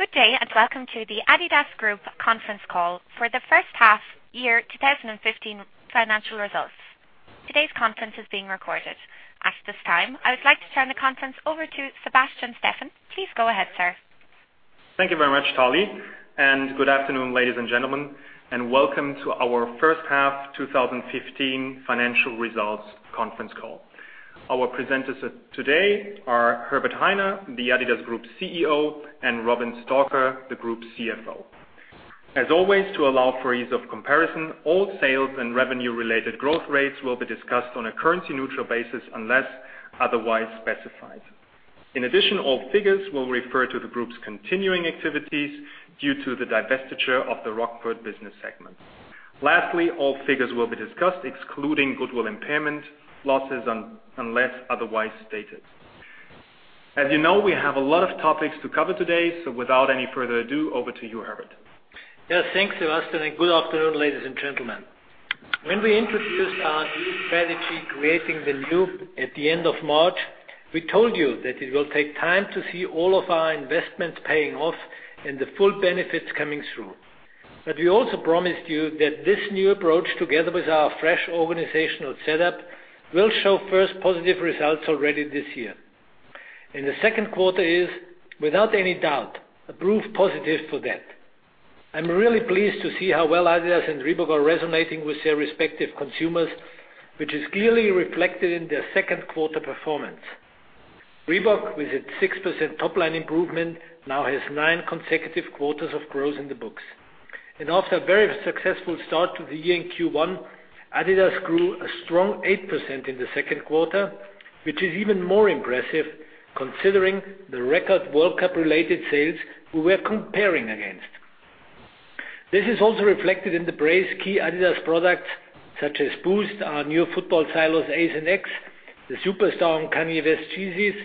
Good day. Welcome to the adidas Group conference call for the first half year 2015 financial results. Today's conference is being recorded. At this time, I would like to turn the conference over to Sebastian Steffen. Please go ahead, sir. Thank you very much, Tali, and good afternoon, ladies and gentlemen, and welcome to our first half 2015 financial results conference call. Our presenters today are Herbert Hainer, the adidas Group CEO, and Robin Stalker, the Group CFO. As always, to allow for ease of comparison, all sales and revenue-related growth rates will be discussed on a currency-neutral basis unless otherwise specified. In addition, all figures will refer to the Group's continuing activities due to the divestiture of the Rockport business segment. Lastly, all figures will be discussed excluding goodwill impairment, losses, unless otherwise stated. As you know, we have a lot of topics to cover today. Without any further ado, over to you, Herbert. Thanks, Sebastian, and good afternoon, ladies and gentlemen. When we introduced our new strategy, Creating the New, at the end of March, we told you that it will take time to see all of our investments paying off and the full benefits coming through. We also promised you that this new approach, together with our fresh organizational setup, will show first positive results already this year. The second quarter is, without any doubt, a proof positive for that. I'm really pleased to see how well adidas and Reebok are resonating with their respective consumers, which is clearly reflected in their second quarter performance. Reebok, with its 6% top-line improvement, now has nine consecutive quarters of growth in the books. After a very successful start to the year in Q1, adidas grew a strong 8% in the second quarter, which is even more impressive considering the record World Cup-related sales we were comparing against. This is also reflected in the praise key adidas products, such as Boost, our new football silos, Ace and X, the Superstar, and Kanye West's Yeezys,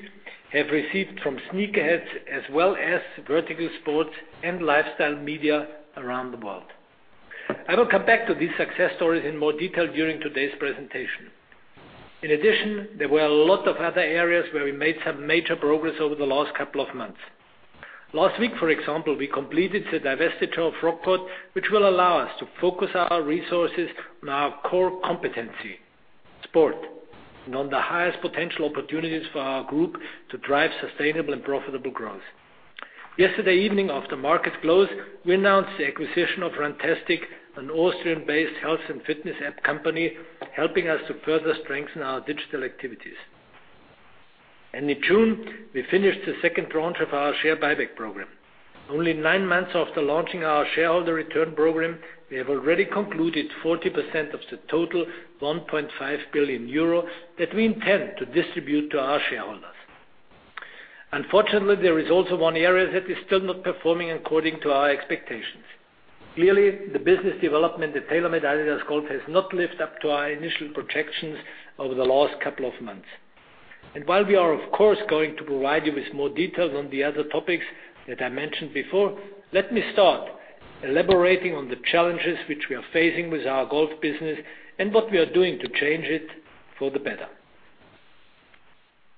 have received from sneakerheads as well as vertical sports and lifestyle media around the world. I will come back to these success stories in more detail during today's presentation. In addition, there were a lot of other areas where we made some major progress over the last couple of months. Last week, for example, we completed the divestiture of Rockport, which will allow us to focus our resources on our core competency, sport, and on the highest potential opportunities for our Group to drive sustainable and profitable growth. Yesterday evening after market close, we announced the acquisition of Runtastic, an Austrian-based health and fitness app company, helping us to further strengthen our digital activities. In June, we finished the second branch of our share buyback program. Only nine months after launching our shareholder return program, we have already concluded 40% of the total 1.5 billion euro that we intend to distribute to our shareholders. Unfortunately, there is also one area that is still not performing according to our expectations. Clearly, the business development at TaylorMade-adidas Golf has not lived up to our initial projections over the last couple of months. While we are, of course, going to provide you with more details on the other topics that I mentioned before, let me start elaborating on the challenges which we are facing with our golf business and what we are doing to change it for the better.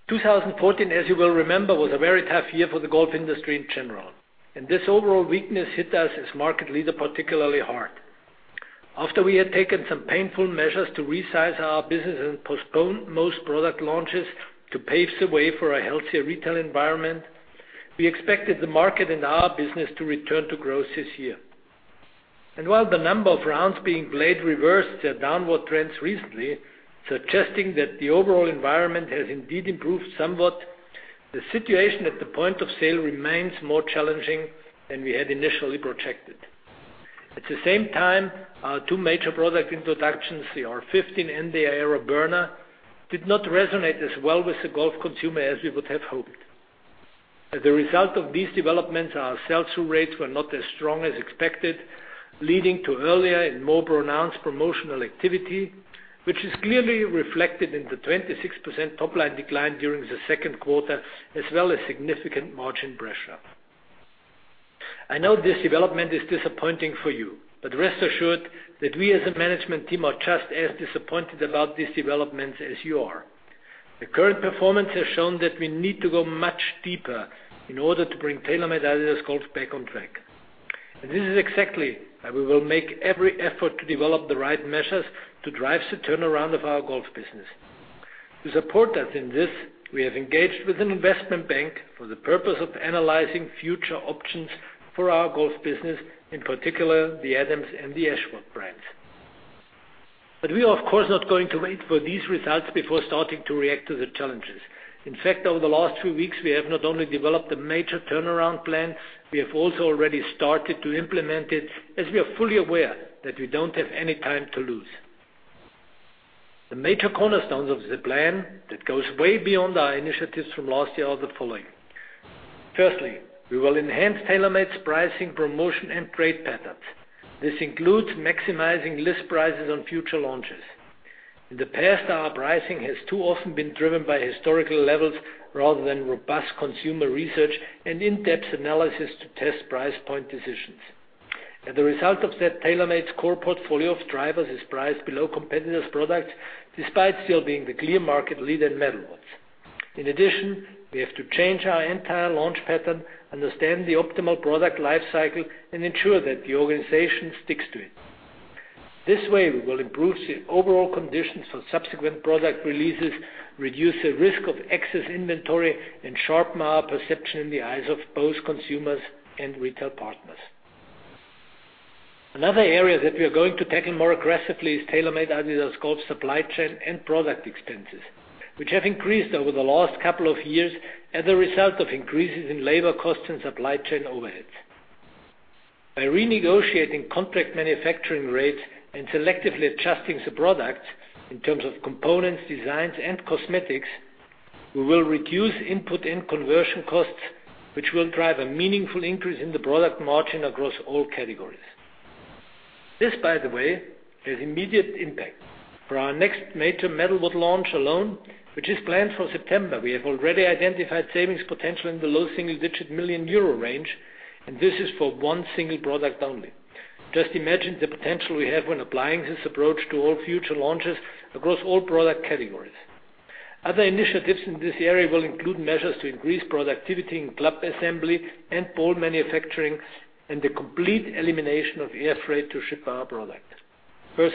2014, as you will remember, was a very tough year for the golf industry in general, and this overall weakness hit us as market leader particularly hard. After we had taken some painful measures to resize our business and postpone most product launches to pave the way for a healthier retail environment, we expected the market and our business to return to growth this year. While the number of rounds being played reversed their downward trends recently, suggesting that the overall environment has indeed improved somewhat, the situation at the point of sale remains more challenging than we had initially projected. At the same time, our two major product introductions, the R15 and the AeroBurner, did not resonate as well with the golf consumer as we would have hoped. As a result of these developments, our sell-through rates were not as strong as expected, leading to earlier and more pronounced promotional activity, which is clearly reflected in the 26% top-line decline during the second quarter, as well as significant margin pressure. I know this development is disappointing for you, but rest assured that we as a management team are just as disappointed about these developments as you are. The current performance has shown that we need to go much deeper in order to bring TaylorMade-adidas Golf back on track. This is exactly why we will make every effort to develop the right measures to drive the turnaround of our golf business. To support us in this, we have engaged with an investment bank for the purpose of analyzing future options for our golf business, in particular, the Adams and the Ashworth brands. We are, of course, not going to wait for these results before starting to react to the challenges. In fact, over the last few weeks, we have not only developed a major turnaround plan, we have also already started to implement it, as we are fully aware that we don't have any time to lose. The major cornerstones of the plan that goes way beyond our initiatives from last year are the following. Firstly, we will enhance TaylorMade's pricing, promotion, and trade patterns. This includes maximizing list prices on future launches. In the past, our pricing has too often been driven by historical levels rather than robust consumer research and in-depth analysis to test price point decisions. As a result of that, TaylorMade's core portfolio of drivers is priced below competitors' products, despite still being the clear market leader in metal woods. In addition, we have to change our entire launch pattern, understand the optimal product life cycle, and ensure that the organization sticks to it. This way, we will improve the overall conditions for subsequent product releases, reduce the risk of excess inventory, and sharpen our perception in the eyes of both consumers and retail partners. Another area that we are going to tackle more aggressively is TaylorMade-adidas Golf's supply chain and product expenses, which have increased over the last couple of years as a result of increases in labor cost and supply chain overheads. By renegotiating contract manufacturing rates and selectively adjusting the products in terms of components, designs, and cosmetics, we will reduce input and conversion costs, which will drive a meaningful increase in the product margin across all categories. This, by the way, has immediate impact. For our next major metal wood launch alone, which is planned for September, we have already identified savings potential in the low single-digit million EUR range, and this is for one single product only. Just imagine the potential we have when applying this approach to all future launches across all product categories. Other initiatives in this area will include measures to increase productivity in club assembly and ball manufacturing, and the complete elimination of air freight to ship our product. We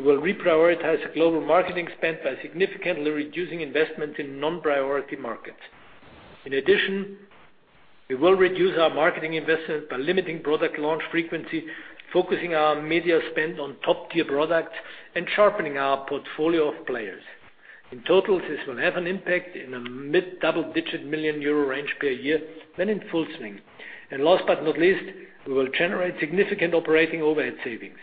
will reprioritize global marketing spend by significantly reducing investment in non-priority markets. In addition, we will reduce our marketing investment by limiting product launch frequency, focusing our media spend on top-tier products, and sharpening our portfolio of players. In total, this will have an impact in a mid-double-digit million EUR range per year when in full swing. Last but not least, we will generate significant operating overhead savings.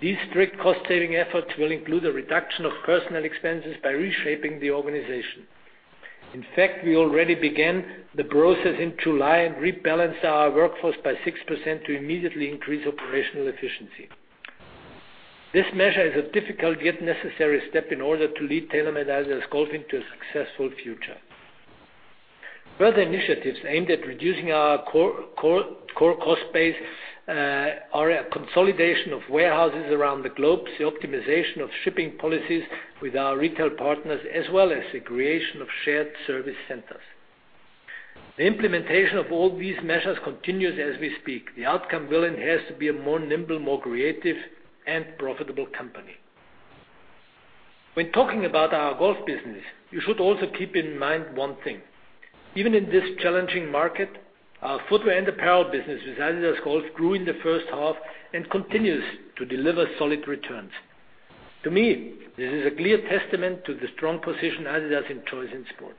These strict cost-saving efforts will include a reduction of personnel expenses by reshaping the organization. In fact, we already began the process in July and rebalanced our workforce by 6% to immediately increase operational efficiency. This measure is a difficult yet necessary step in order to lead TaylorMade-adidas Golf into a successful future. Further initiatives aimed at reducing our core cost base are a consolidation of warehouses around the globe, the optimization of shipping policies with our retail partners, as well as the creation of shared service centers. The implementation of all these measures continues as we speak. The outcome will enhance to be a nimbler, more creative, and profitable company. When talking about our golf business, you should also keep in mind one thing. Even in this challenging market, our footwear and apparel business with adidas Golf grew in the first half and continues to deliver solid returns. To me, this is a clear testament to the strong position adidas enjoys in sport.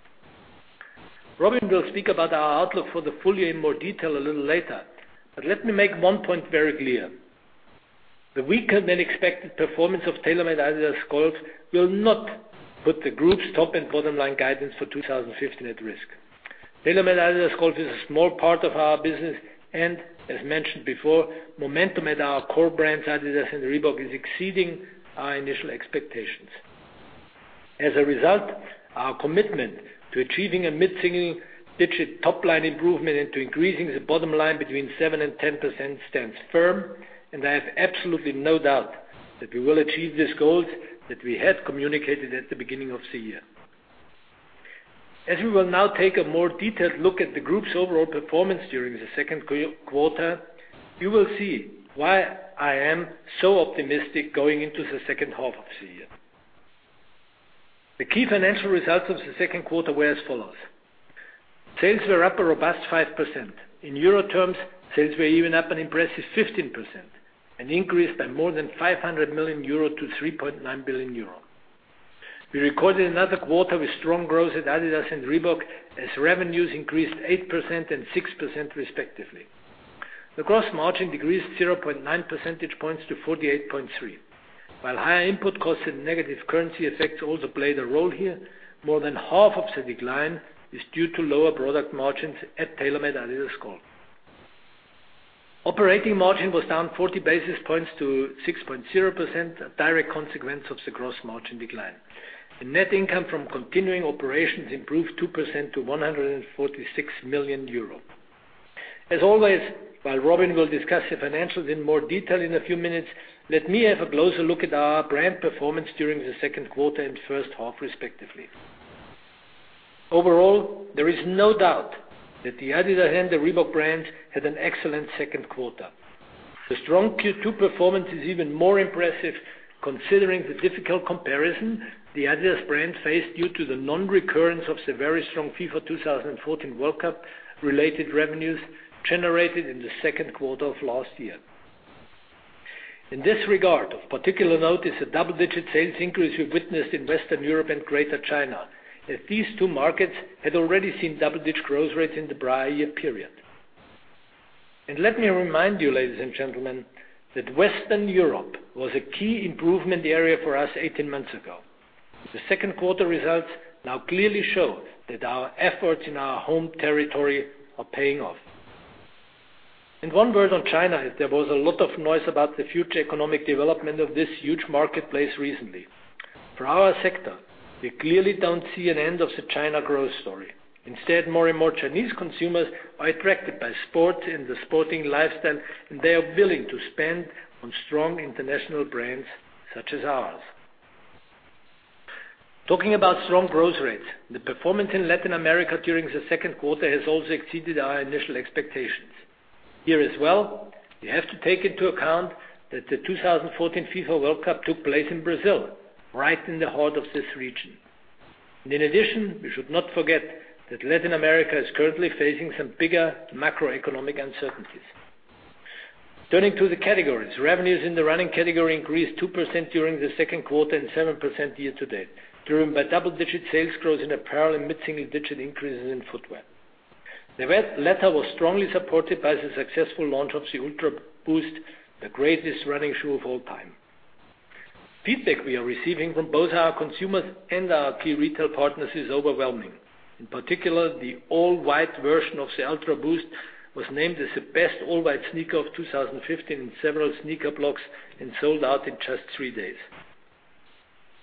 Robin will speak about our outlook for the full year in more detail a little later, but let me make one point very clear. The weaker than expected performance of TaylorMade-adidas Golf will not put the group's top and bottom line guidance for 2015 at risk. TaylorMade-adidas Golf is a small part of our business, and as mentioned before, momentum at our core brands, adidas and Reebok, is exceeding our initial expectations. Our commitment to achieving a mid-single digit top-line improvement and to increasing the bottom line between 7% and 10% stands firm, and I have absolutely no doubt that we will achieve these goals that we had communicated at the beginning of the year. We will now take a more detailed look at the group's overall performance during the second quarter, you will see why I am so optimistic going into the second half of the year. The key financial results of the second quarter were as follows. Sales were up a robust 5%. In EUR terms, sales were even up an impressive 15%, an increase by more than 500 million euro to 3.9 billion euro. We recorded another quarter with strong growth at adidas and Reebok, as revenues increased 8% and 6% respectively. The gross margin decreased 0.9 percentage points to 48.3%. While higher input costs and negative currency effects also played a role here, more than half of the decline is due to lower product margins at TaylorMade-adidas Golf. Operating margin was down 40 basis points to 6.0%, a direct consequence of the gross margin decline. The net income from continuing operations improved 2% to 146 million euros. As always, while Robin will discuss the financials in more detail in a few minutes, let me have a closer look at our brand performance during the second quarter and first half respectively. Overall, there is no doubt that the adidas and the Reebok brands had an excellent second quarter. The strong Q2 performance is even more impressive considering the difficult comparison the adidas brand faced due to the non-recurrence of the very strong FIFA 2014 World Cup-related revenues generated in the second quarter of last year. In this regard, of particular note is the double-digit sales increase we've witnessed in Western Europe and Greater China, these two markets had already seen double-digit growth rates in the prior year period. Let me remind you, ladies and gentlemen, that Western Europe was a key improvement area for us 18 months ago. The second quarter results now clearly show that our efforts in our home territory are paying off. In one word on China, there was a lot of noise about the future economic development of this huge marketplace recently. For our sector, we clearly don't see an end of the China growth story. Instead, more and more Chinese consumers are attracted by sport and the sporting lifestyle, and they are willing to spend on strong international brands such as ours. Talking about strong growth rates, the performance in Latin America during the second quarter has also exceeded our initial expectations. Here as well, we have to take into account that the 2014 FIFA World Cup took place in Brazil, right in the heart of this region. In addition, we should not forget that Latin America is currently facing some bigger macroeconomic uncertainties. Turning to the categories, revenues in the running category increased 2% during the second quarter and 7% year-to-date, driven by double-digit sales growth in apparel and mid-single-digit increases in footwear. The latter was strongly supported by the successful launch of the UltraBOOST, the greatest running shoe of all time. Feedback we are receiving from both our consumers and our key retail partners is overwhelming. In particular, the all-white version of the UltraBOOST was named as the best all-white sneaker of 2015 in several sneaker blogs and sold out in just three days.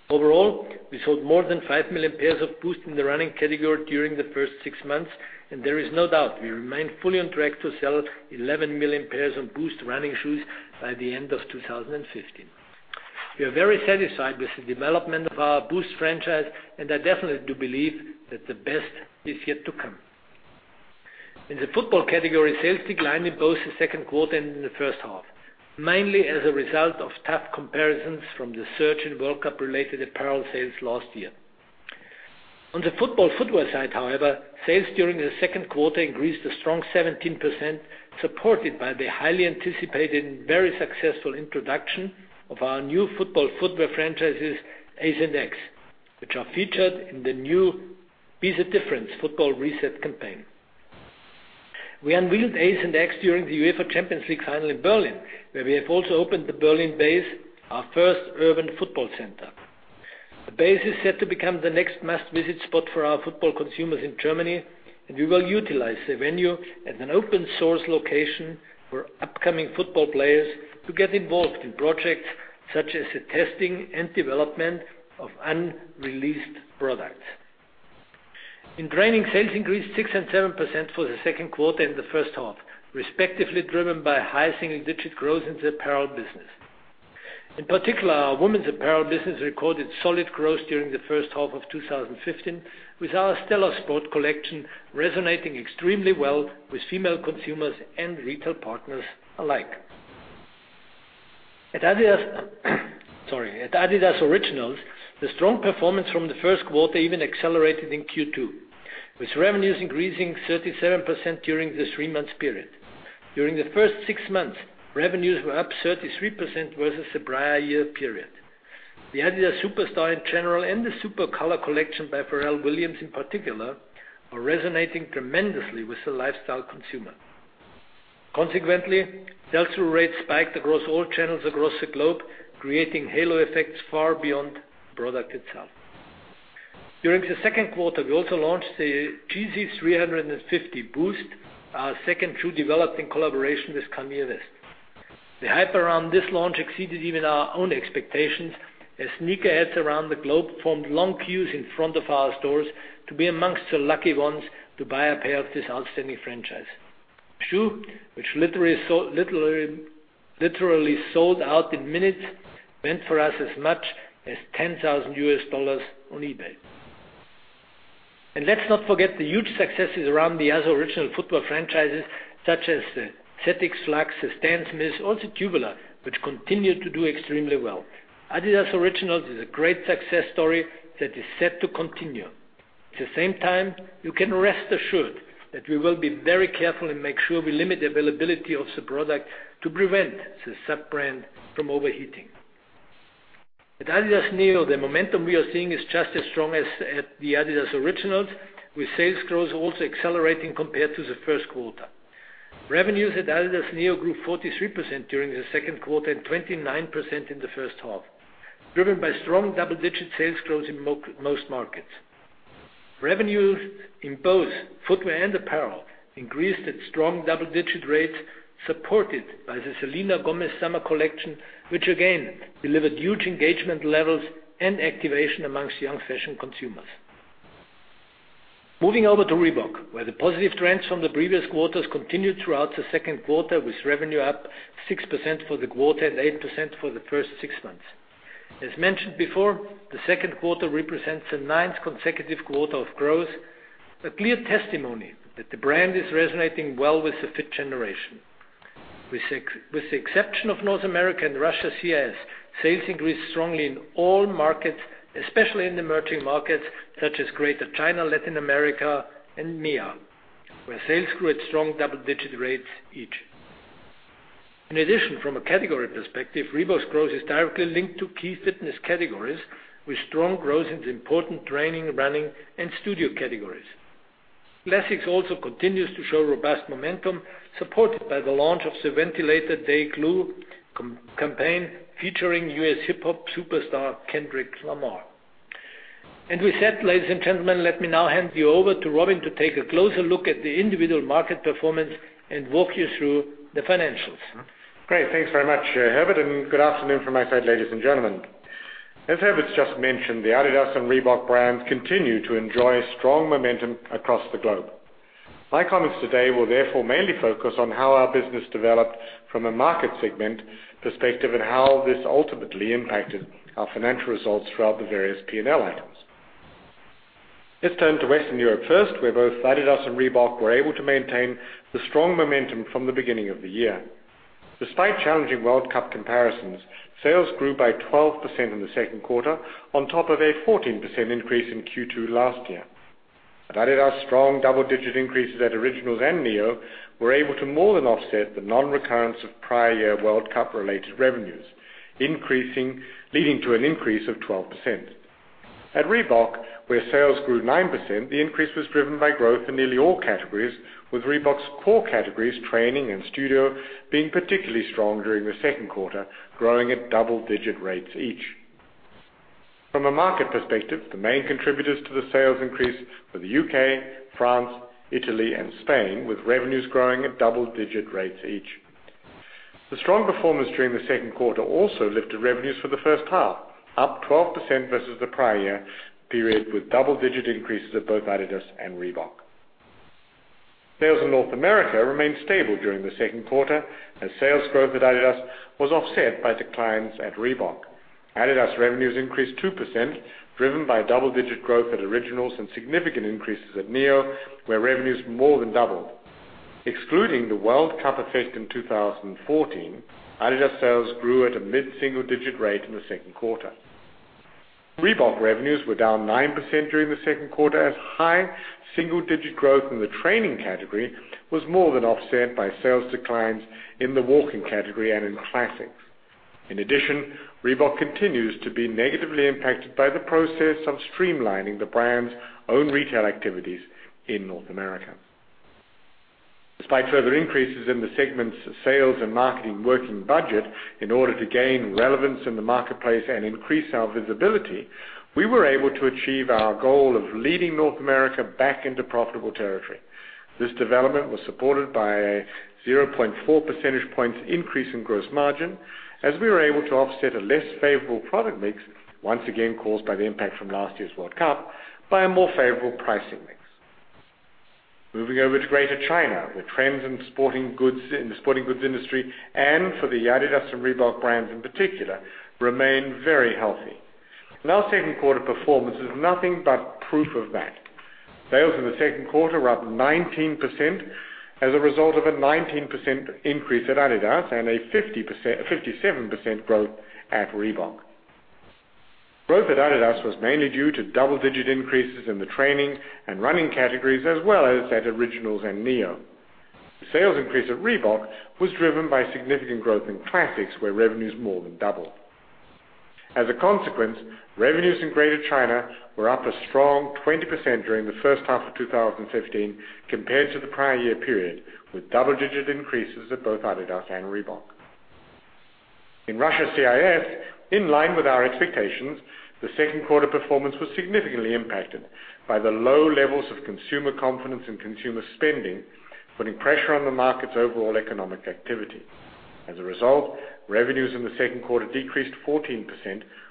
Overall, we sold more than five million pairs of Boost in the running category during the first six months, and there is no doubt we remain fully on track to sell 11 million pairs of Boost running shoes by the end of 2015. We are very satisfied with the development of our Boost franchise, and I definitely do believe that the best is yet to come. In the football category, sales declined in both the second quarter and in the first half, mainly as a result of tough comparisons from the surge in World Cup-related apparel sales last year. On the football footwear side, however, sales during the second quarter increased a strong 17%, supported by the highly anticipated and very successful introduction of our new football footwear franchises, Ace and X, which are featured in the new Be the Difference football reset campaign. We unveiled Ace and X during the UEFA Champions League final in Berlin, where we have also opened the Berlin Base, our first urban football center. The Base is set to become the next must-visit spot for our football consumers in Germany, and we will utilize the venue as an open-source location for upcoming football players to get involved in projects such as the testing and development of unreleased products. In training, sales increased 6% and 7% for the second quarter and the first half, respectively driven by high single-digit growth in the apparel business. In particular, our women's apparel business recorded solid growth during the first half of 2015 with our StellaSport collection resonating extremely well with female consumers and retail partners alike. At adidas Originals, the strong performance from the first quarter even accelerated in Q2, with revenues increasing 37% during this three-month period. During the first six months, revenues were up 33% versus the prior year period. The adidas Superstar in general and the Supercolor collection by Pharrell Williams, in particular, are resonating tremendously with the lifestyle consumer. Consequently, sell-through rates spiked across all channels across the globe, creating halo effects far beyond the product itself. During the second quarter, we also launched the Yeezy Boost 350, our second shoe developed in collaboration with Kanye West. The hype around this launch exceeded even our own expectations, as sneakerheads around the globe formed long queues in front of our stores to be amongst the lucky ones to buy a pair of this outstanding franchise. Shoe, which literally sold out in minutes, went for as much as $10,000 on eBay. Let's not forget the huge successes around the other adidas Originals franchises such as the ZX Flux, the Stan Smith, or the Tubular, which continue to do extremely well. adidas Originals is a great success story that is set to continue. At the same time, you can rest assured that we will be very careful and make sure we limit the availability of the product to prevent the sub-brand from overheating. At adidas NEO, the momentum we are seeing is just as strong as at the adidas Originals, with sales growth also accelerating compared to the first quarter. Revenues at adidas NEO grew 43% during the second quarter and 29% in the first half, driven by strong double-digit sales growth in most markets. Revenues in both footwear and apparel increased at strong double-digit rates, supported by the Selena Gomez summer collection, which again delivered huge engagement levels and activation amongst young fashion consumers. Moving over to Reebok, where the positive trends from the previous quarters continued throughout the second quarter, with revenue up 6% for the quarter and 8% for the first six months. As mentioned before, the second quarter represents the ninth consecutive quarter of growth, a clear testimony that the brand is resonating well with the fit generation. With the exception of North America and Russia/CIS, sales increased strongly in all markets, especially in emerging markets such as Greater China, Latin America, and MEA, where sales grew at strong double-digit rates each. From a category perspective, Reebok's growth is directly linked to key fitness categories with strong growth in the important training, running, and studio categories. Classics also continues to show robust momentum, supported by the launch of the Ventilator Day-Glo campaign, featuring U.S. hip hop superstar Kendrick Lamar. With that, ladies and gentlemen, let me now hand you over to Robin to take a closer look at the individual market performance and walk you through the financials. Great. Thanks very much, Herbert. Good afternoon from my side, ladies and gentlemen. As Herbert's just mentioned, the adidas and Reebok brands continue to enjoy strong momentum across the globe. My comments today will therefore mainly focus on how our business developed from a market segment perspective, how this ultimately impacted our financial results throughout the various P&L items. Let's turn to Western Europe first, where both adidas and Reebok were able to maintain the strong momentum from the beginning of the year. Despite challenging World Cup comparisons, sales grew by 12% in the second quarter, on top of a 14% increase in Q2 last year. adidas' strong double-digit increases at Originals and NEO were able to more than offset the non-recurrence of prior year World Cup-related revenues, leading to an increase of 12%. At Reebok, where sales grew 9%, the increase was driven by growth in nearly all categories, with Reebok's core categories, Training and Studio, being particularly strong during the second quarter, growing at double-digit rates each. From a market perspective, the main contributors to the sales increase were the U.K., France, Italy, and Spain, with revenues growing at double-digit rates each. The strong performance during the second quarter also lifted revenues for the first half, up 12% versus the prior year period, with double-digit increases at both adidas and Reebok. Sales in North America remained stable during the second quarter, as sales growth at adidas was offset by declines at Reebok. adidas revenues increased 2%, driven by double-digit growth at Originals and significant increases at NEO, where revenues more than doubled. Excluding the World Cup effect in 2014, adidas sales grew at a mid-single-digit rate in the second quarter. Reebok revenues were down 9% during the second quarter, as high single-digit growth in the Training category was more than offset by sales declines in the Walking category and in Classics. In addition, Reebok continues to be negatively impacted by the process of streamlining the brand's own retail activities in North America. Despite further increases in the segment's sales and marketing working budget, in order to gain relevance in the marketplace and increase our visibility, we were able to achieve our goal of leading North America back into profitable territory. This development was supported by a 0.4 percentage points increase in gross margin, as we were able to offset a less favorable product mix, once again caused by the impact from last year's World Cup, by a more favorable pricing mix. Moving over to Greater China, where trends in the sporting goods industry, and for the adidas and Reebok brands in particular, remain very healthy. Our second quarter performance is nothing but proof of that. Sales in the second quarter were up 19% as a result of a 19% increase at adidas and a 57% growth at Reebok. Growth at adidas was mainly due to double-digit increases in the Training and Running categories, as well as at Originals and NEO. The sales increase at Reebok was driven by significant growth in Classics, where revenues more than doubled. As a consequence, revenues in Greater China were up a strong 20% during the first half of 2015 compared to the prior year period, with double-digit increases at both adidas and Reebok. In Russia/CIS, in line with our expectations, the second quarter performance was significantly impacted by the low levels of consumer confidence and consumer spending, putting pressure on the market's overall economic activity. As a result, revenues in the second quarter decreased 14%,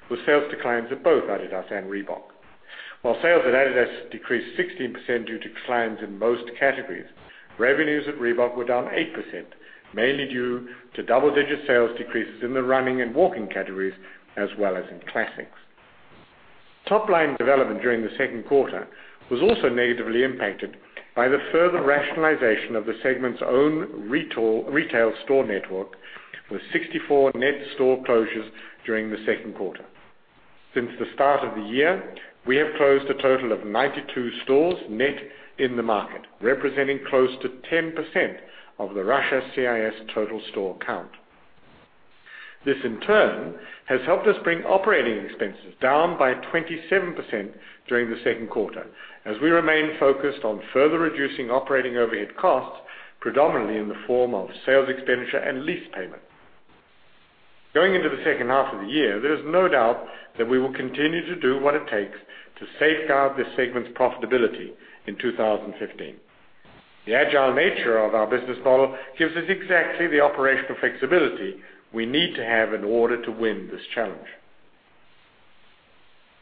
with sales declines at both adidas and Reebok. While sales at adidas decreased 16% due to declines in most categories, revenues at Reebok were down 8%, mainly due to double-digit sales decreases in the Running and Walking categories, as well as in Classics. Top-line development during the second quarter was also negatively impacted by the further rationalization of the segment's own retail store network, with 64 net store closures during the second quarter. Since the start of the year, we have closed a total of 92 stores net in the market, representing close to 10% of the Russia/CIS total store count. This in turn has helped us bring operating expenses down by 27% during the second quarter, as we remain focused on further reducing operating overhead costs, predominantly in the form of sales expenditure and lease payment. Going into the second half of the year, there is no doubt that we will continue to do what it takes to safeguard this segment's profitability in 2015. The agile nature of our business model gives us exactly the operational flexibility we need to have in order to win this challenge.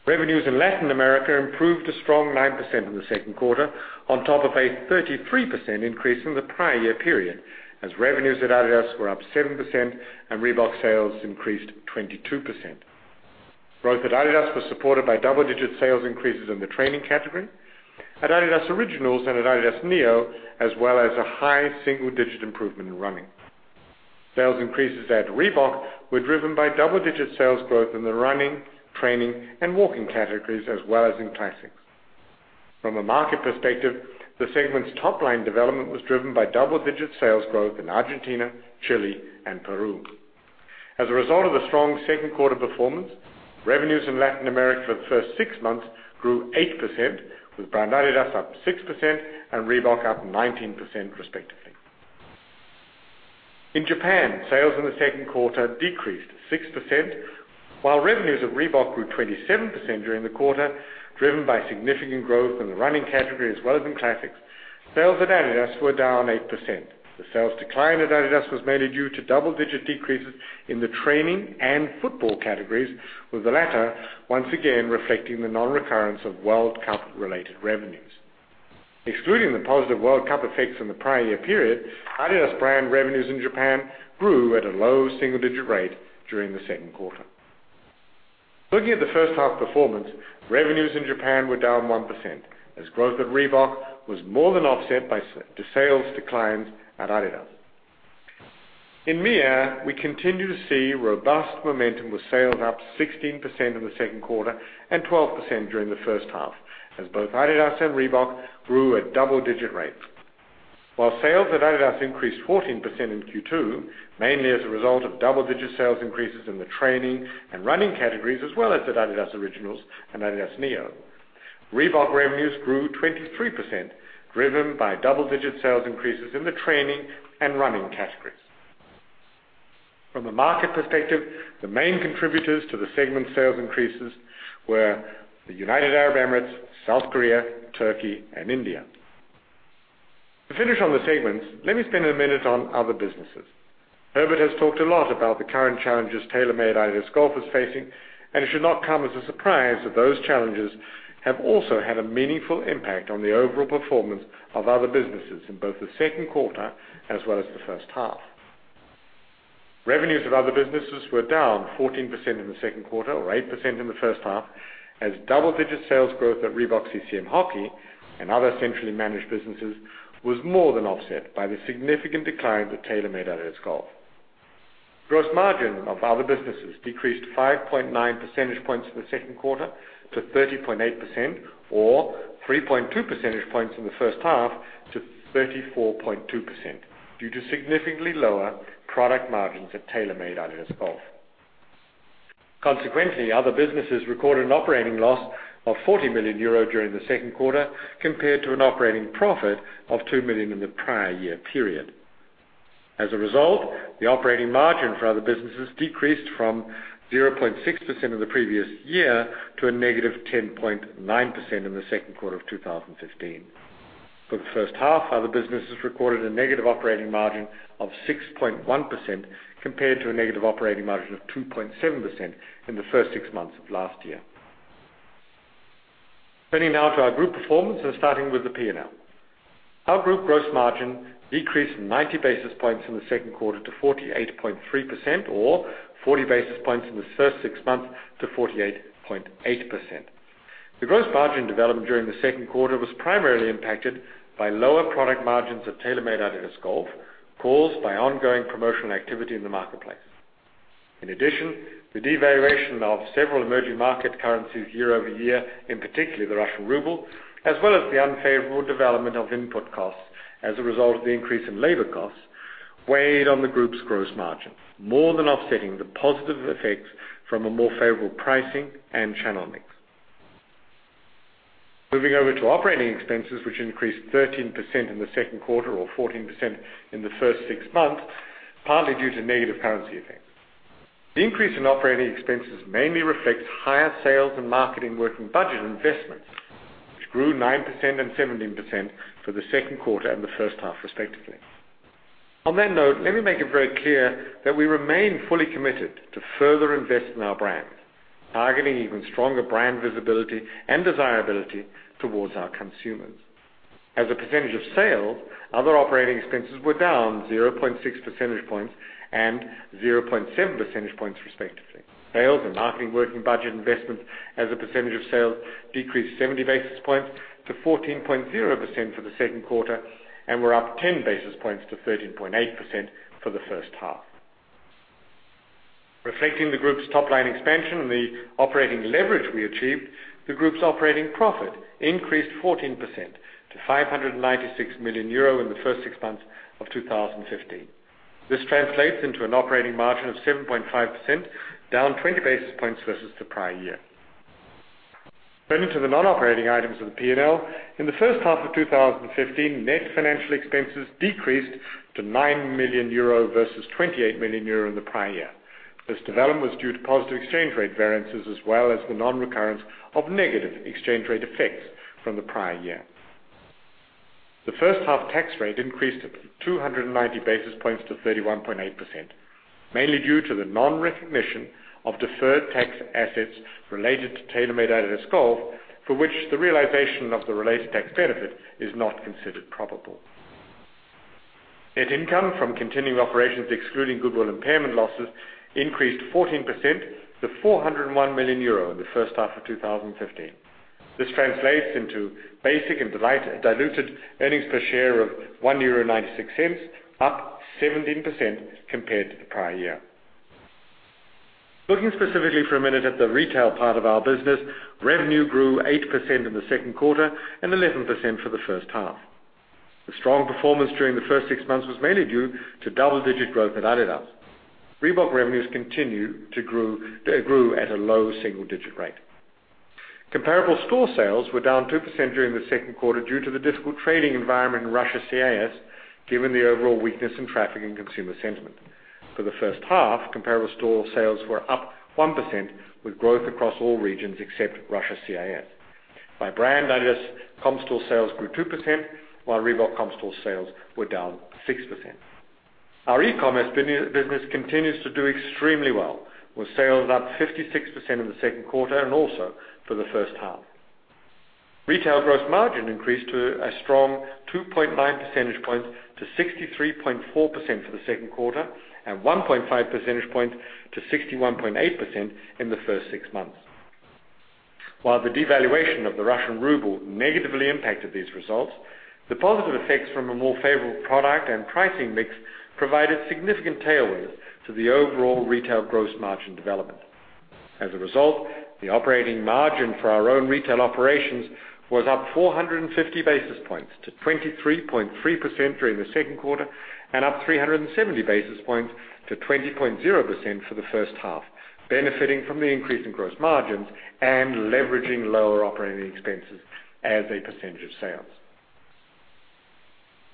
Revenues in Latin America improved a strong 9% in the second quarter, on top of a 33% increase from the prior year period, as revenues at adidas were up 7% and Reebok sales increased 22%. Growth at adidas was supported by double-digit sales increases in the Training category, at adidas Originals and at adidas NEO, as well as a high single-digit improvement in Running. Sales increases at Reebok were driven by double-digit sales growth in the Running, Training, and Walking categories, as well as in Classics. From a market perspective, the segment's top-line development was driven by double-digit sales growth in Argentina, Chile, and Peru. As a result of the strong second quarter performance, revenues in Latin America for the first six months grew 8%, with brand adidas up 6% and Reebok up 19% respectively. In Japan, sales in the second quarter decreased 6%, while revenues of Reebok grew 27% during the quarter, driven by significant growth in the Running category, as well as in Classics. Sales at adidas were down 8%. The sales decline at adidas was mainly due to double-digit decreases in the Training and Football categories, with the latter once again reflecting the non-recurrence of World Cup-related revenues. Excluding the positive World Cup effects in the prior year period, adidas brand revenues in Japan grew at a low single-digit rate during the second quarter. Looking at the first half performance, revenues in Japan were down 1%, as growth at Reebok was more than offset by the sales declines at adidas. In MEA, we continue to see robust momentum, with sales up 16% in the second quarter and 12% during the first half, as both adidas and Reebok grew at double-digit rates. While sales at adidas increased 14% in Q2, mainly as a result of double-digit sales increases in the Training and Running categories, as well as at adidas Originals and adidas NEO. Reebok revenues grew 23%, driven by double-digit sales increases in the Training and Running categories. From a market perspective, the main contributors to the segment sales increases were the United Arab Emirates, South Korea, Turkey, and India. To finish on the segments, let me spend a minute on other businesses. Herbert has talked a lot about the current challenges TaylorMade-adidas Golf is facing, and it should not come as a surprise that those challenges have also had a meaningful impact on the overall performance of other businesses in both the second quarter, as well as the first half. Revenues of other businesses were down 14% in the second quarter, or 8% in the first half, as double-digit sales growth at Reebok-CCM Hockey and other centrally managed businesses was more than offset by the significant decline at TaylorMade-adidas Golf. Gross margin of other businesses decreased 5.9 percentage points in the second quarter to 30.8%, or 3.2 percentage points in the first half to 34.2%, due to significantly lower product margins at TaylorMade-adidas Golf. Consequently, other businesses recorded an operating loss of 40 million euro during the second quarter, compared to an operating profit of 2 million in the prior year period. As a result, the operating margin for other businesses decreased from 0.6% in the previous year to a negative 10.9% in the second quarter of 2015. For the first half, other businesses recorded a negative operating margin of 6.1%, compared to a negative operating margin of 2.7% in the first six months of last year. Turning now to our group performance and starting with the P&L. Our group gross margin decreased 90 basis points in the second quarter to 48.3%, or 40 basis points in the first six months to 48.8%. The gross margin development during the second quarter was primarily impacted by lower product margins at TaylorMade-adidas Golf, caused by ongoing promotional activity in the marketplace. In addition, the devaluation of several emerging market currencies year-over-year, in particular the Russian ruble, as well as the unfavorable development of input costs as a result of the increase in labor costs, weighed on the group's gross margin, more than offsetting the positive effects from a more favorable pricing and channel mix. Moving over to operating expenses, which increased 13% in the second quarter, or 14% in the first six months, partly due to negative currency effects. The increase in operating expenses mainly reflects higher Sales and Marketing Working Budget investments, which grew 9% and 17% for the second quarter and the first half, respectively. Let me make it very clear that we remain fully committed to further invest in our brand, targeting even stronger brand visibility and desirability towards our consumers. As a percentage of sales, other operating expenses were down 0.6 percentage points and 0.7 percentage points, respectively. Sales and Marketing Working Budget investments as a percentage of sales decreased 70 basis points to 14.0% for the second quarter and were up 10 basis points to 13.8% for the first half. Reflecting the group's top-line expansion and the operating leverage we achieved, the group's operating profit increased 14% to 596 million euro in the first six months of 2015. This translates into an operating margin of 7.5%, down 20 basis points versus the prior year. Turning to the non-operating items of the P&L. In the first half of 2015, net financial expenses decreased to 9 million euro versus 28 million euro in the prior year. This development was due to positive exchange rate variances, as well as the non-recurrence of negative exchange rate effects from the prior year. The first half tax rate increased 290 basis points to 31.8%, mainly due to the non-recognition of deferred tax assets related to TaylorMade-adidas Golf, for which the realization of the related tax benefit is not considered probable. Net income from continuing operations, excluding goodwill impairment losses, increased 14% to 401 million euro in the first half of 2015. This translates into basic and diluted earnings per share of 1.96 euro, up 17% compared to the prior year. Looking specifically for a minute at the retail part of our business, revenue grew 8% in the second quarter and 11% for the first half. The strong performance during the first six months was mainly due to double-digit growth at adidas. Reebok revenues continue to grew at a low single-digit rate. Comparable store sales were down 2% during the second quarter due to the difficult trading environment in Russia/CIS, given the overall weakness in traffic and consumer sentiment. For the first half, comparable store sales were up 1%, with growth across all regions except Russia/CIS. By brand, adidas comp store sales grew 2%, while Reebok comp store sales were down 6%. Our e-commerce business continues to do extremely well, with sales up 56% in the second quarter, and also for the first half. Retail gross margin increased to a strong 2.9 percentage points to 63.4% for the second quarter, and 1.5 percentage point to 61.8% in the first six months. While the devaluation of the Russian ruble negatively impacted these results, the positive effects from a more favorable product and pricing mix provided significant tailwinds to the overall retail gross margin development. As a result, the operating margin for our own retail operations was up 450 basis points to 23.3% during the second quarter, and up 370 basis points to 20.0% for the first half, benefiting from the increase in gross margins and leveraging lower operating expenses as a percentage of sales.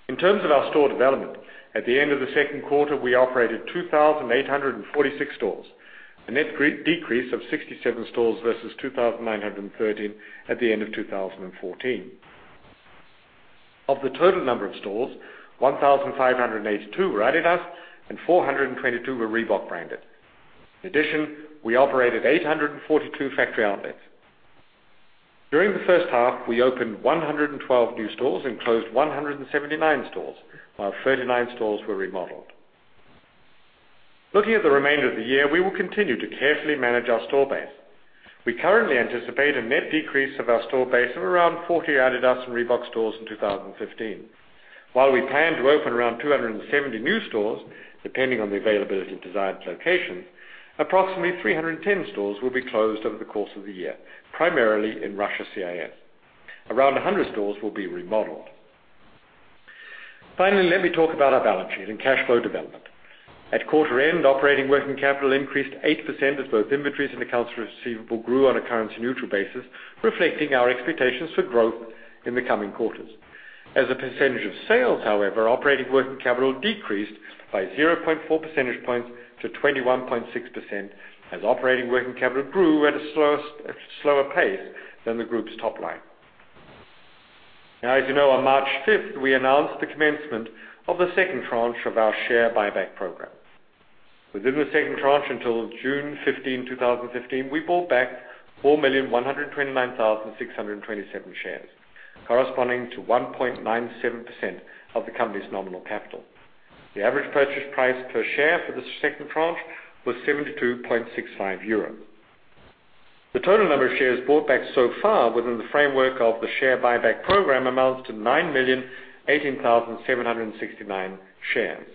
In terms of our store development, at the end of the second quarter, we operated 2,846 stores, a net decrease of 67 stores versus 2,913 at the end of 2014. Of the total number of stores, 1,582 were adidas and 422 were Reebok-branded. In addition, we operated 842 factory outlets. During the first half, we opened 112 new stores and closed 179 stores, while 39 stores were remodeled. Looking at the remainder of the year, we will continue to carefully manage our store base. We currently anticipate a net decrease of our store base of around 40 adidas and Reebok stores in 2015. While we plan to open around 270 new stores, depending on the availability of desired locations, approximately 310 stores will be closed over the course of the year, primarily in Russia/CIS. Around 100 stores will be remodeled. Finally, let me talk about our balance sheet and cash flow development. At quarter end, operating working capital increased 8% as both inventories and accounts receivable grew on a currency-neutral basis, reflecting our expectations for growth in the coming quarters. As a percentage of sales, however, operating working capital decreased by 0.4 percentage points to 21.6% as operating working capital grew at a slower pace than the group's top line. As you know, on March 5th, we announced the commencement of the second tranche of our share buyback program. Within the second tranche until June 15, 2015, we bought back 4,129,627 shares, corresponding to 1.97% of the company's nominal capital. The average purchase price per share for the second tranche was 72.65 euros. The total number of shares bought back so far within the framework of the share buyback program amounts to 9,018,769 shares.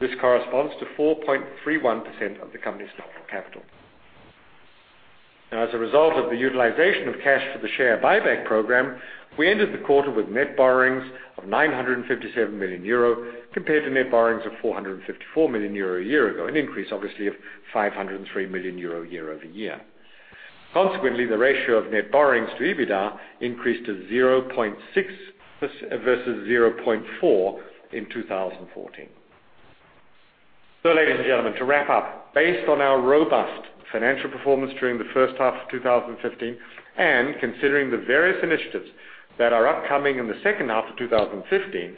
This corresponds to 4.31% of the company's nominal capital. As a result of the utilization of cash for the share buyback program, we ended the quarter with net borrowings of 957 million euro compared to net borrowings of 454 million euro a year ago, an increase obviously of 503 million euro year-over-year. Consequently, the ratio of net borrowings to EBITDA increased to 0.6 versus 0.4 in 2014. Ladies and gentlemen, to wrap up, based on our robust financial performance during the first half of 2015 and considering the various initiatives that are upcoming in the second half of 2015,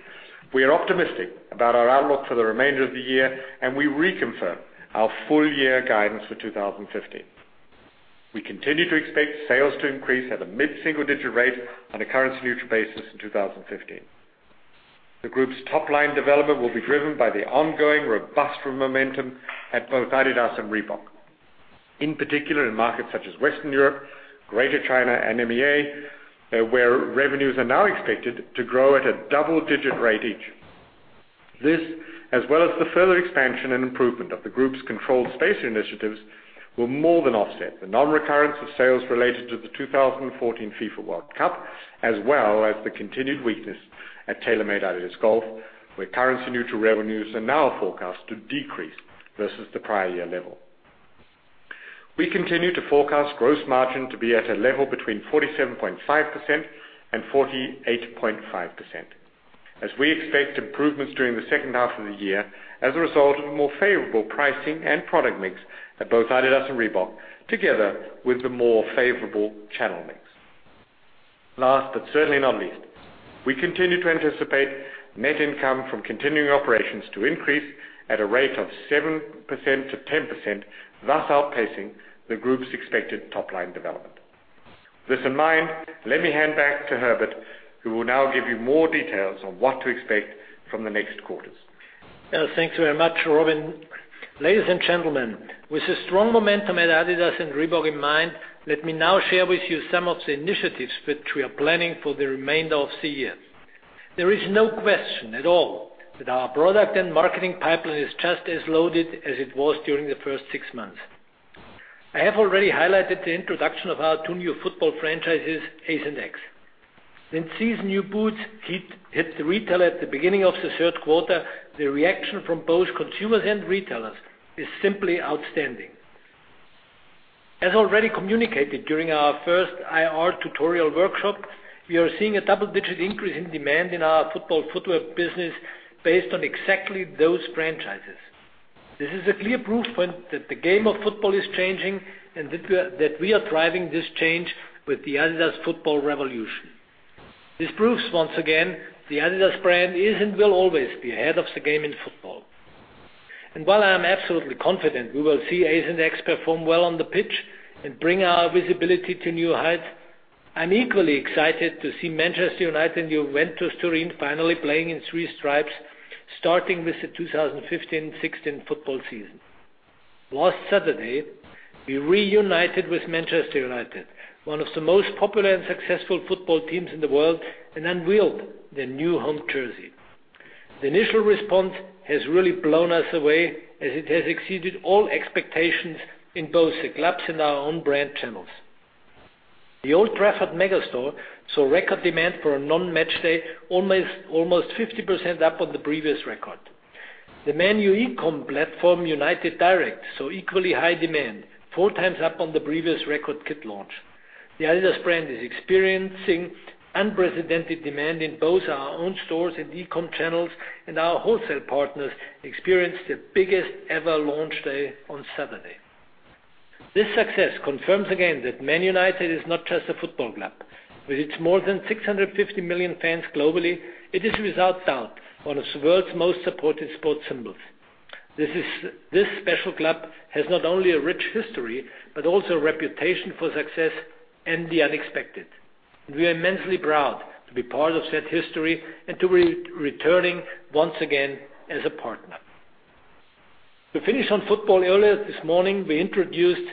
we are optimistic about our outlook for the remainder of the year, and we reconfirm our full year guidance for 2015. We continue to expect sales to increase at a mid-single-digit rate on a currency-neutral basis in 2015. The group's top-line development will be driven by the ongoing robust momentum at both adidas and Reebok, in particular in markets such as Western Europe, Greater China and MEA, where revenues are now expected to grow at a double-digit rate each. This, as well as the further expansion and improvement of the group's controlled space initiatives, will more than offset the non-recurrence of sales related to the 2014 FIFA World Cup, as well as the continued weakness at TaylorMade-adidas Golf, where currency-neutral revenues are now forecast to decrease versus the prior year level. We continue to forecast gross margin to be at a level between 47.5% and 48.5%. As we expect improvements during the second half of the year as a result of a more favorable pricing and product mix at both adidas and Reebok, together with the more favorable channel mix. Last, but certainly not least, we continue to anticipate net income from continuing operations to increase at a rate of 7% to 10%, thus outpacing the group's expected top-line development. With this in mind, let me hand back to Herbert, who will now give you more details on what to expect from the next quarters. Thanks very much, Robin. Ladies and gentlemen, with the strong momentum at adidas and Reebok in mind, let me now share with you some of the initiatives which we are planning for the remainder of the year. There is no question at all that our product and marketing pipeline is just as loaded as it was during the first six months. I have already highlighted the introduction of our two new football franchises, Ace and X. Since these new boots hit the retail at the beginning of the third quarter, the reaction from both consumers and retailers is simply outstanding. As already communicated during our first IR tutorial workshop, we are seeing a double-digit increase in demand in our football footwear business based on exactly those franchises. This is a clear proof point that the game of football is changing and that we are driving this change with the adidas football revolution. This proves, once again, the adidas brand is and will always be ahead of the game in football. While I am absolutely confident we will see Ace and X perform well on the pitch and bring our visibility to new heights, I'm equally excited to see Manchester United and Juventus Turin finally playing in three stripes, starting with the 2015/16 football season. Last Saturday, we reunited with Manchester United, one of the most popular and successful football teams in the world, and unveiled the new home jersey. The initial response has really blown us away, as it has exceeded all expectations in both the clubs and our own brand channels. The Old Trafford Megastore saw record demand for a non-match day, almost 50% up on the previous record. The Man U e-com platform, United Direct, saw equally high demand, four times up on the previous record kit launch. The adidas brand is experiencing unprecedented demand in both our own stores and e-com channels, and our wholesale partners experienced the biggest ever launch day on Saturday. This success confirms again that Man United is not just a football club. With its more than 650 million fans globally, it is, without doubt, one of the world's most supported sports symbols. This special club has not only a rich history but also a reputation for success and the unexpected. We are immensely proud to be part of that history and to be returning, once again, as a partner. To finish on football, earlier this morning, we introduced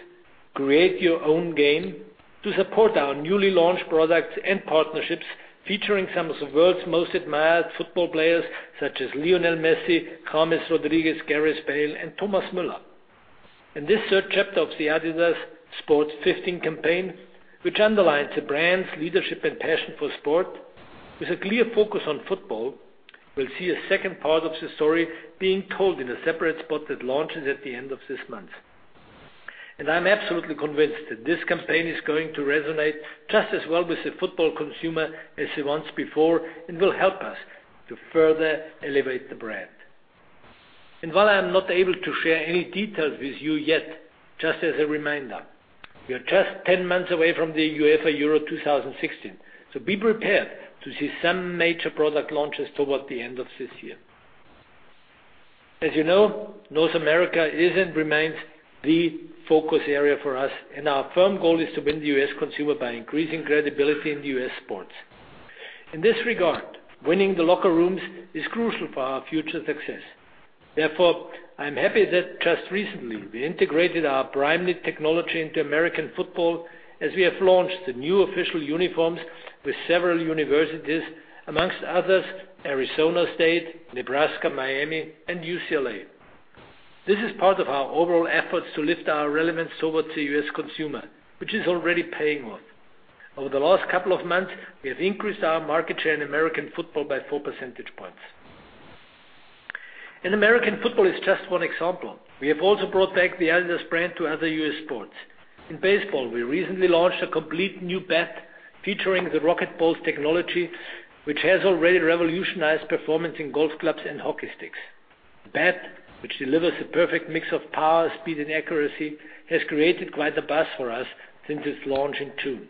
Create Your Own Game to support our newly launched products and partnerships, featuring some of the world's most admired football players, such as Lionel Messi, James Rodríguez, Gareth Bale, and Thomas Müller. In this third chapter of the adidas Sport 15 campaign, which underlines the brand's leadership and passion for sport, with a clear focus on football, we'll see a second part of the story being told in a separate spot that launches at the end of this month. I'm absolutely convinced that this campaign is going to resonate just as well with the football consumer as the ones before and will help us to further elevate the brand. While I'm not able to share any details with you yet, just as a reminder, we are just 10 months away from the UEFA Euro 2016, so be prepared to see some major product launches towards the end of this year. As you know, North America is and remains the focus area for us, and our firm goal is to win the U.S. consumer by increasing credibility in U.S. sports. In this regard, winning the locker rooms is crucial for our future success. Therefore, I'm happy that just recently, we integrated our Primeknit technology into American football, as we have launched the new official uniforms with several universities. Amongst others, Arizona State, Nebraska, Miami, and UCLA. This is part of our overall efforts to lift our relevance towards the U.S. consumer, which is already paying off. Over the last couple of months, we have increased our market share in American football by four percentage points. American football is just one example. We have also brought back the adidas brand to other U.S. sports. In baseball, we recently launched a complete new bat featuring the RocketBallz technology, which has already revolutionized performance in golf clubs and hockey sticks. The bat, which delivers the perfect mix of power, speed, and accuracy, has created quite a buzz for us since its launch in June.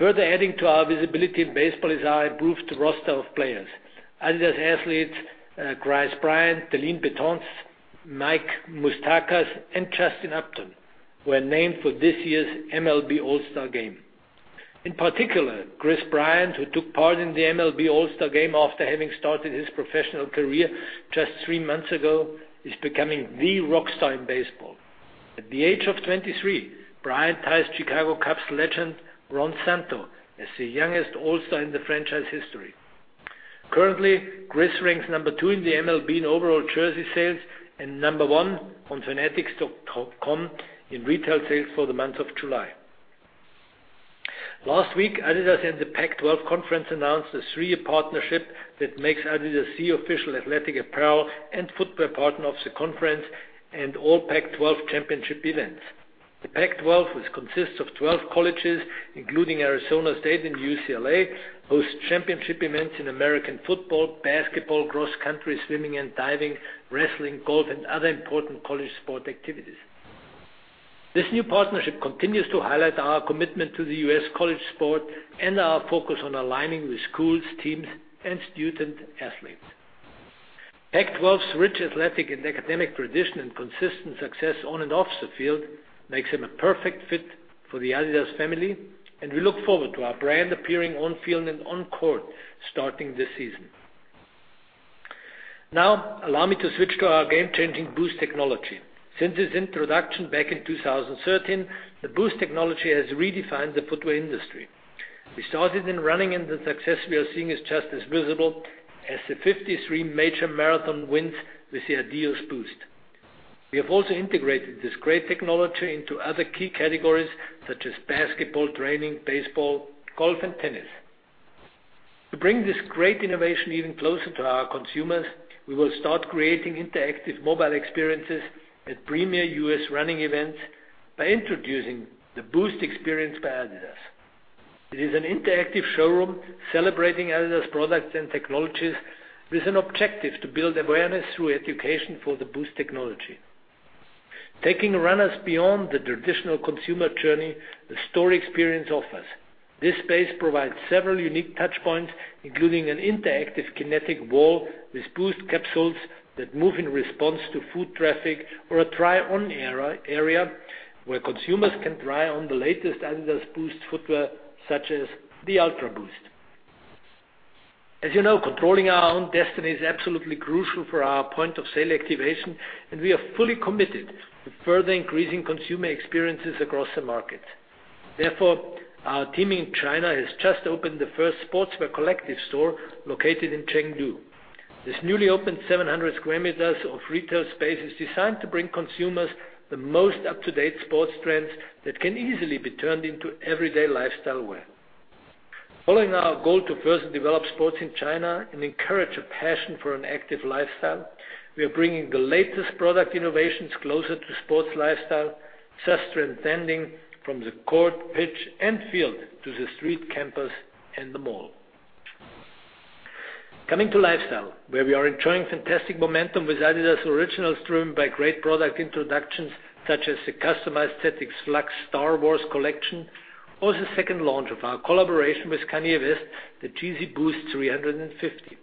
Further adding to our visibility in baseball is our improved roster of players. adidas athletes Kris Bryant, Dellin Betances, Mike Moustakas, and Justin Upton were named for this year's MLB All-Star Game. In particular, Kris Bryant, who took part in the MLB All-Star Game after having started his professional career just three months ago, is becoming the rock star in baseball. At the age of 23, Bryant ties Chicago Cubs legend Ron Santo as the youngest All-Star in the franchise history. Currently, Kris ranks number 2 in the MLB in overall jersey sales and number 1 on fanatics.com in retail sales for the month of July. Last week, adidas and the Pac-12 Conference announced a three-year partnership that makes adidas the official athletic apparel and footwear partner of the conference and all Pac-12 championship events. The Pac-12, which consists of 12 colleges, including Arizona State and UCLA, hosts championship events in American football, basketball, cross country, swimming and diving, wrestling, golf, and other important college sport activities. This new partnership continues to highlight our commitment to the U.S. college sport and our focus on aligning with schools, teams, and student-athletes. Pac-12's rich athletic and academic tradition and consistent success on and off the field makes them a perfect fit for the adidas family. We look forward to our brand appearing on field and on court starting this season. Now, allow me to switch to our game-changing Boost technology. Since its introduction back in 2013, the Boost technology has redefined the footwear industry. We started in running, and the success we are seeing is just as visible as the 53 major marathon wins with the adidas Boost. We have also integrated this great technology into other key categories such as basketball, training, baseball, golf, and tennis. To bring this great innovation even closer to our consumers, we will start creating interactive mobile experiences at premier U.S. running events by introducing the Boost Experience by adidas. It is an interactive showroom celebrating adidas products and technologies with an objective to build awareness through education for the Boost technology. Taking runners beyond the traditional consumer journey the store experience offers. This space provides several unique touch points, including an interactive kinetic wall with Boost capsules that move in response to foot traffic or a try-on area where consumers can try on the latest adidas Boost footwear, such as the UltraBOOST. As you know, controlling our own destiny is absolutely crucial for our point-of-sale activation. We are fully committed to further increasing consumer experiences across the market. Our team in China has just opened the first sportswear collective store located in Chengdu. This newly opened 700 sq m of retail space is designed to bring consumers the most up-to-date sports trends that can easily be turned into everyday lifestyle wear. Following our goal to further develop sports in China and encourage a passion for an active lifestyle, we are bringing the latest product innovations closer to sports lifestyle, thus transcending from the court, pitch, and field to the street, campus, and the mall. Coming to lifestyle, where we are enjoying fantastic momentum with adidas Originals driven by great product introductions such as the customized Stan Smith Lux Star Wars collection or the second launch of our collaboration with Kanye West, the Yeezy Boost 350.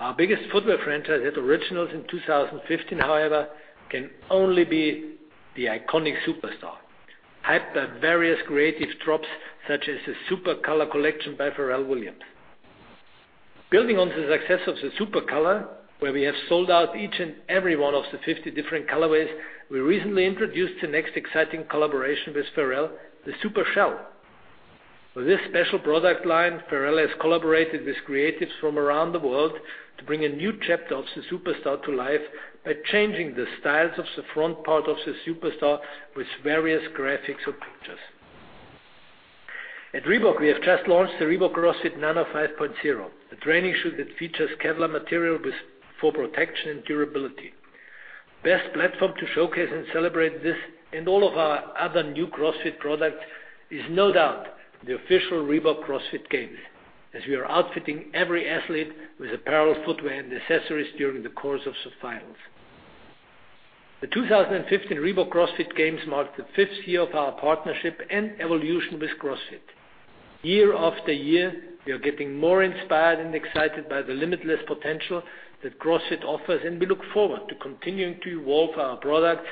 Our biggest footwear franchise at Originals in 2015, however, can only be the iconic Superstar, hyped by various creative drops such as the Supercolor collection by Pharrell Williams. Building on the success of the Supercolor, where we have sold out each and every one of the 50 different colorways, we recently introduced the next exciting collaboration with Pharrell, the Supershell. For this special product line, Pharrell has collaborated with creatives from around the world to bring a new chapter of the Superstar to life by changing the styles of the front part of the Superstar with various graphics and pictures. At Reebok, we have just launched the Reebok CrossFit Nano 5.0, a training shoe that features Kevlar material for protection and durability. Best platform to showcase and celebrate this and all of our other new CrossFit products is no doubt the official Reebok CrossFit Games, as we are outfitting every athlete with apparel, footwear, and accessories during the course of the finals. The 2015 Reebok CrossFit Games marked the fifth year of our partnership and evolution with CrossFit. Year after year, we are getting more inspired and excited by the limitless potential that CrossFit offers, and we look forward to continuing to evolve our products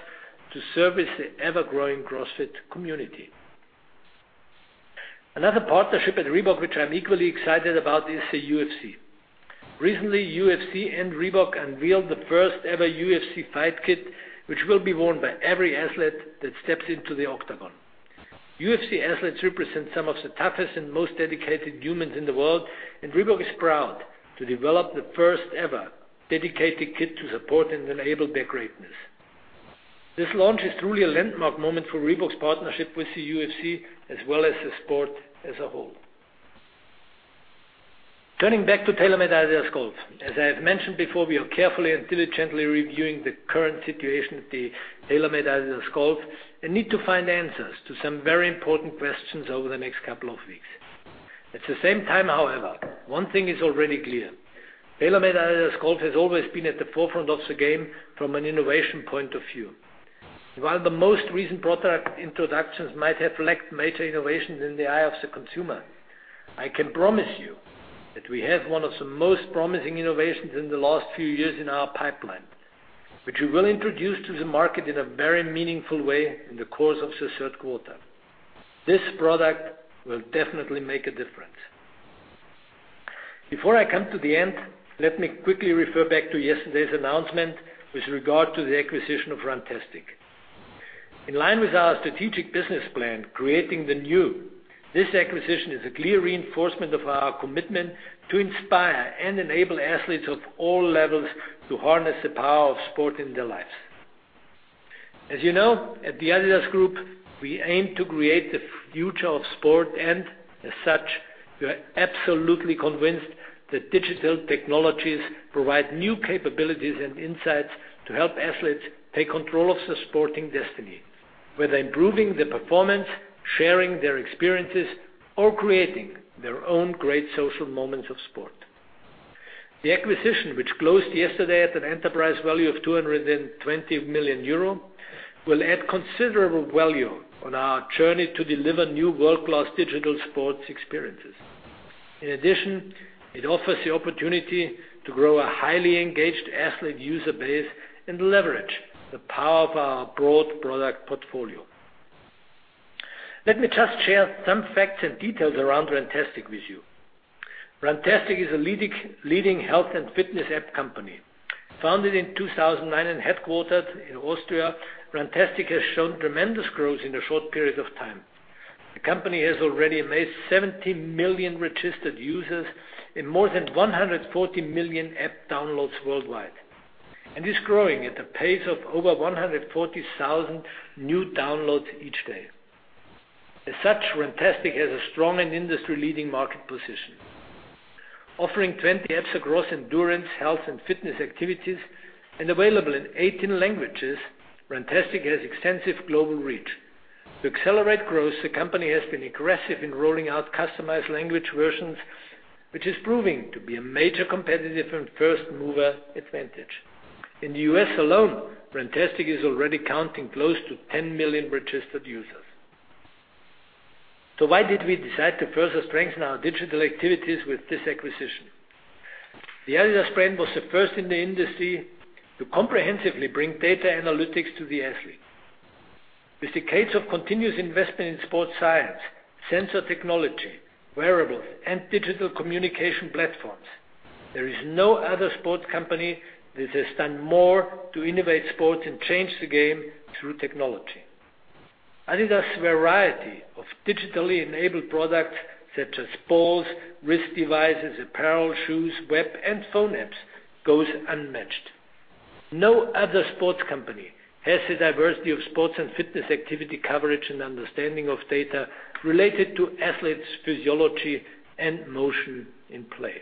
to service the ever-growing CrossFit community. Another partnership at Reebok, which I'm equally excited about, is the UFC. Recently, UFC and Reebok unveiled the first ever UFC Fight Kit, which will be worn by every athlete that steps into the octagon. UFC athletes represent some of the toughest and most dedicated humans in the world, and Reebok is proud to develop the first ever dedicated kit to support and enable their greatness. This launch is truly a landmark moment for Reebok's partnership with the UFC as well as the sport as a whole. Turning back to TaylorMade-adidas Golf. As I have mentioned before, we are carefully and diligently reviewing the current situation at the TaylorMade-adidas Golf and need to find answers to some very important questions over the next couple of weeks. At the same time, however, one thing is already clear. TaylorMade-adidas Golf has always been at the forefront of the game from an innovation point of view. While the most recent product introductions might have lacked major innovations in the eye of the consumer, I can promise you that we have one of the most promising innovations in the last few years in our pipeline, which we will introduce to the market in a very meaningful way in the course of the third quarter. This product will definitely make a difference. Before I come to the end, let me quickly refer back to yesterday's announcement with regard to the acquisition of Runtastic. In line with our strategic business plan, Creating the New, this acquisition is a clear reinforcement of our commitment to inspire and enable athletes of all levels to harness the power of sport in their lives. As you know, at the adidas Group, we aim to create the future of sport and as such, we are absolutely convinced that digital technologies provide new capabilities and insights to help athletes take control of their sporting destiny, whether improving their performance, sharing their experiences, or creating their own great social moments of sport. The acquisition, which closed yesterday at an enterprise value of 220 million euro, will add considerable value on our journey to deliver new world-class digital sports experiences. In addition, it offers the opportunity to grow a highly engaged athlete user base and leverage the power of our broad product portfolio. Let me just share some facts and details around Runtastic with you. Runtastic is a leading health and fitness app company. Founded in 2009 and headquartered in Austria, Runtastic has shown tremendous growth in a short period of time. The company has already made 70 million registered users in more than 140 million app downloads worldwide, and is growing at a pace of over 140,000 new downloads each day. Runtastic has a strong and industry-leading market position. Offering 20 apps across endurance, health, and fitness activities, and available in 18 languages, Runtastic has extensive global reach. To accelerate growth, the company has been aggressive in rolling out customized language versions, which is proving to be a major competitive and first-mover advantage. In the U.S. alone, Runtastic is already counting close to 10 million registered users. Why did we decide to further strengthen our digital activities with this acquisition? The adidas brand was the first in the industry to comprehensively bring data analytics to the athlete. With decades of continuous investment in sports science, sensor technology, wearables, and digital communication platforms, there is no other sports company that has done more to innovate sports and change the game through technology. adidas' variety of digitally enabled products, such as balls, wrist devices, apparel, shoes, web, and phone apps, goes unmatched. No other sports company has the diversity of sports and fitness activity coverage and understanding of data related to athletes' physiology and motion in play.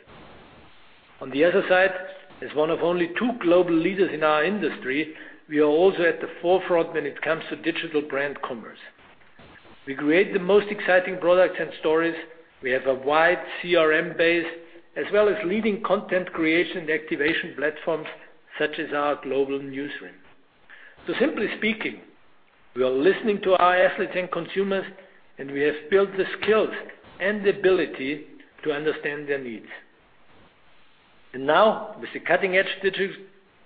As one of only two global leaders in our industry, we are also at the forefront when it comes to digital brand commerce. We create the most exciting products and stories. We have a wide CRM base, as well as leading content creation and activation platforms, such as our global newsroom. Simply speaking, we are listening to our athletes and consumers, and we have built the skills and ability to understand their needs. Now, with the cutting-edge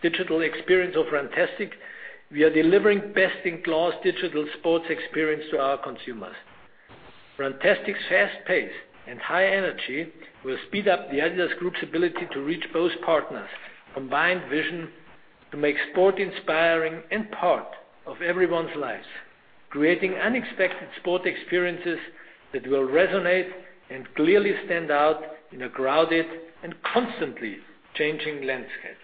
digital experience of Runtastic, we are delivering best-in-class digital sports experience to our consumers. Runtastic's fast pace and high energy will speed up the adidas Group's ability to reach both partners' combined vision to make sport inspiring and part of everyone's lives, creating unexpected sport experiences that will resonate and clearly stand out in a crowded and constantly changing landscape.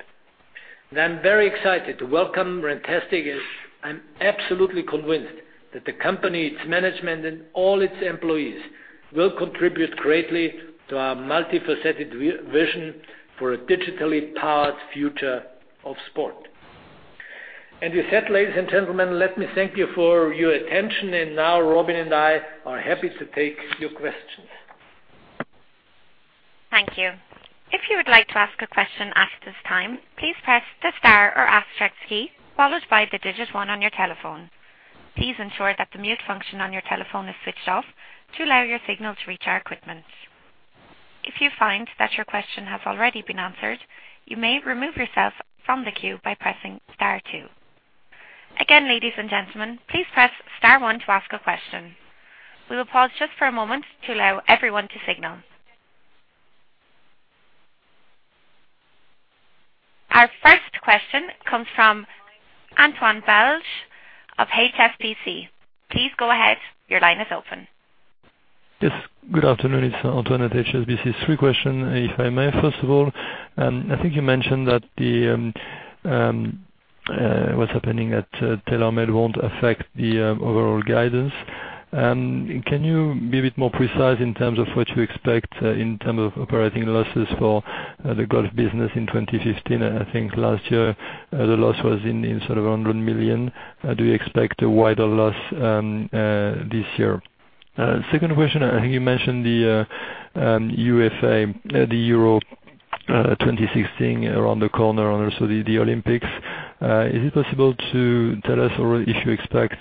I'm very excited to welcome Runtastic, as I'm absolutely convinced that the company, its management, and all its employees will contribute greatly to our multifaceted vision for a digitally-powered future of sport. With that, ladies and gentlemen, let me thank you for your attention. Now, Robin and I are happy to take your questions. Thank you. If you would like to ask a question at this time, please press the star or asterisk key, followed by the digit 1 on your telephone. Please ensure that the mute function on your telephone is switched off to allow your signal to reach our equipment. If you find that your question has already been answered, you may remove yourself from the queue by pressing star 2. Again, ladies and gentlemen, please press star 1 to ask a question. We will pause just for a moment to allow everyone to signal. Our first question comes from Antoine Belge of HSBC. Please go ahead. Your line is open. Yes. Good afternoon. It's Antoine at HSBC. Three question, if I may. First of all, I think you mentioned that what's happening at TaylorMade won't affect the overall guidance. Can you be a bit more precise in terms of what you expect in terms of operating losses for the golf business in 2015? I think last year, the loss was in sort of 100 million. Do you expect a wider loss this year? Second question, I think you mentioned the UEFA, the Euro 2016 around the corner and also the Olympics. Is it possible to tell us if you expect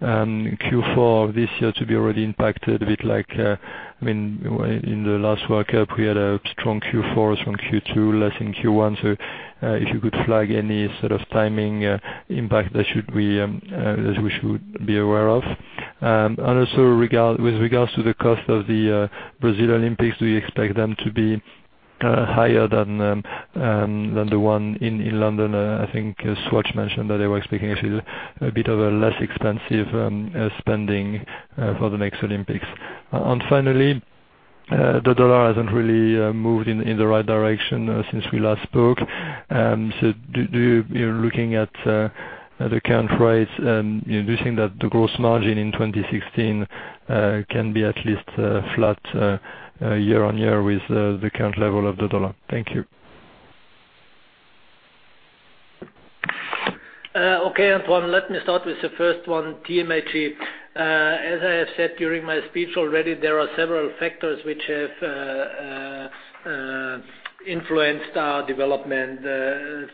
Q4 this year to be already impacted, a bit like, in the last World Cup, we had a strong Q4, strong Q2, less in Q1, so if you could flag any sort of timing impact that we should be aware of. Also, with regards to the cost of the Brazil Olympics, do you expect them to be higher than the one in London? I think Swatch mentioned that they were expecting actually a bit of a less expensive spending for the next Olympics. Finally, the dollar hasn't really moved in the right direction since we last spoke. Do you, looking at the current rates, do you think that the gross margin in 2016 can be at least flat year-on-year with the current level of the dollar? Thank you. Okay, Antoine. Let me start with the first one, TMAG. As I have said during my speech already, there are several factors which have influenced our development.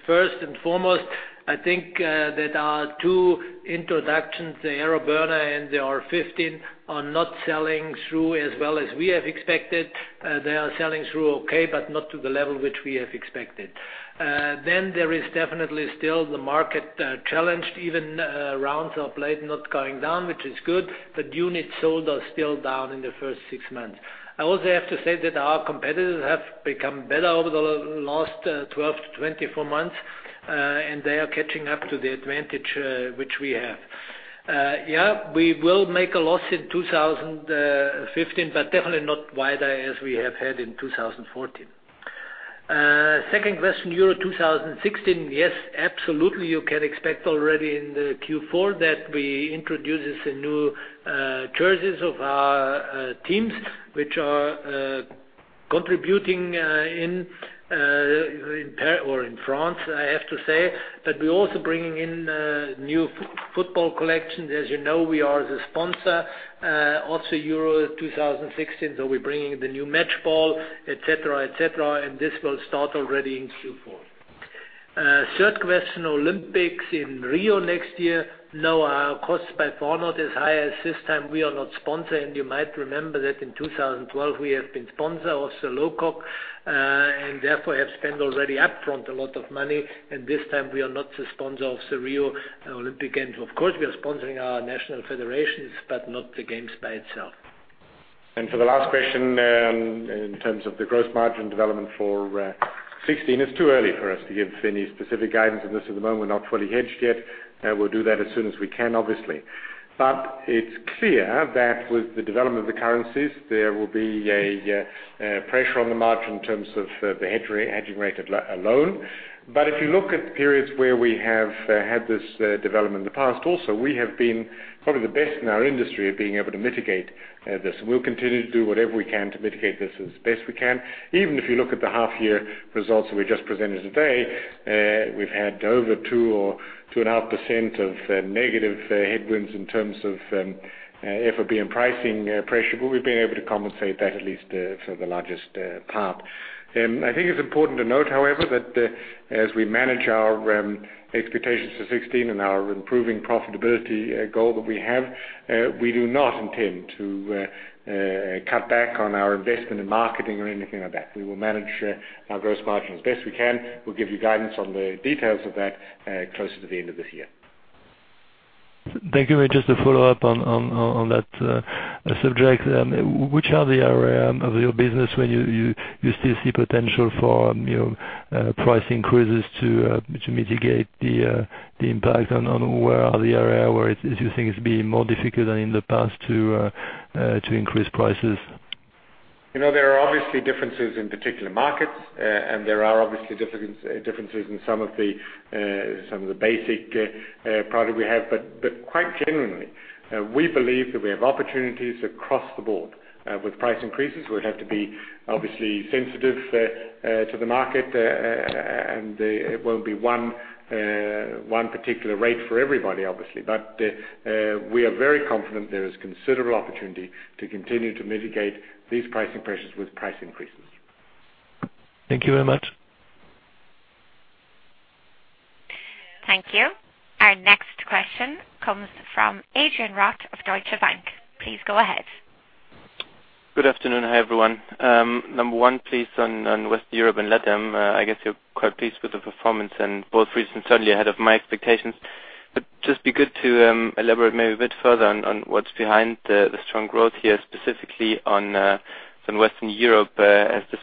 First and foremost, I think that our two introductions, the AeroBurner and the R15, are not selling through as well as we have expected. They are selling through okay, but not to the level which we have expected. There is definitely still the market challenge. Even rounds are played, not going down, which is good, but units sold are still down in the first six months. I also have to say that our competitors have become better over the last 12 to 24 months, and they are catching up to the advantage which we have. Yeah, we will make a loss in 2015, but definitely not wider as we have had in 2014. Second question, Euro 2016. Yes, absolutely. You can expect already in the Q4 that we introduce the new jerseys of our teams, which are contributing in France, I have to say. We're also bringing in new football collections. As you know, we are the sponsor of the Euro 2016, so we're bringing the new match ball, et cetera. This will start already in Q4. Third question, Olympics in Rio next year. No, our costs by far not as high as this time. We are not sponsor, and you might remember that in 2012 we have been sponsor of the LOC, and therefore, have spent already upfront a lot of money. This time we are not the sponsor of the Rio Olympic Games. Of course, we are sponsoring our national federations, but not the games by itself. For the last question, in terms of the gross margin development for 2016, it's too early for us to give any specific guidance on this. At the moment, we're not fully hedged yet. We'll do that as soon as we can, obviously. It's clear that with the development of the currencies, there will be a pressure on the margin in terms of the hedging rate alone. If you look at periods where we have had this development in the past also, we have been probably the best in our industry at being able to mitigate this, and we'll continue to do whatever we can to mitigate this as best we can. Even if you look at the half-year results that we just presented today, we've had over 2% or 2.5% of negative headwinds in terms of FOB and pricing pressure, we've been able to compensate that at least for the largest part. I think it's important to note, however, that as we manage our expectations for 2016 and our improving profitability goal that we have, we do not intend to cut back on our investment in marketing or anything like that. We will manage our gross margin as best we can. We'll give you guidance on the details of that closer to the end of this year. Thank you. Just to follow up on that subject, which are the area of your business where you still see potential for price increases to mitigate the impact? On where are the area where you think it's been more difficult than in the past to increase prices? There are obviously differences in particular markets, there are obviously differences in some of the basic product we have. Quite generally, we believe that we have opportunities across the board. With price increases, we have to be obviously sensitive to the market, it won't be one particular rate for everybody, obviously. We are very confident there is considerable opportunity to continue to mitigate these pricing pressures with price increases. Thank you very much. Thank you. Our next question comes from Adrian Rott of Deutsche Bank. Please go ahead. Good afternoon. Hi, everyone. Number one, please, on Western Europe and LATAM, I guess you're quite pleased with the performance and both regions certainly ahead of my expectations. Just be good to elaborate maybe a bit further on what's behind the strong growth here, specifically on Western Europe. Has this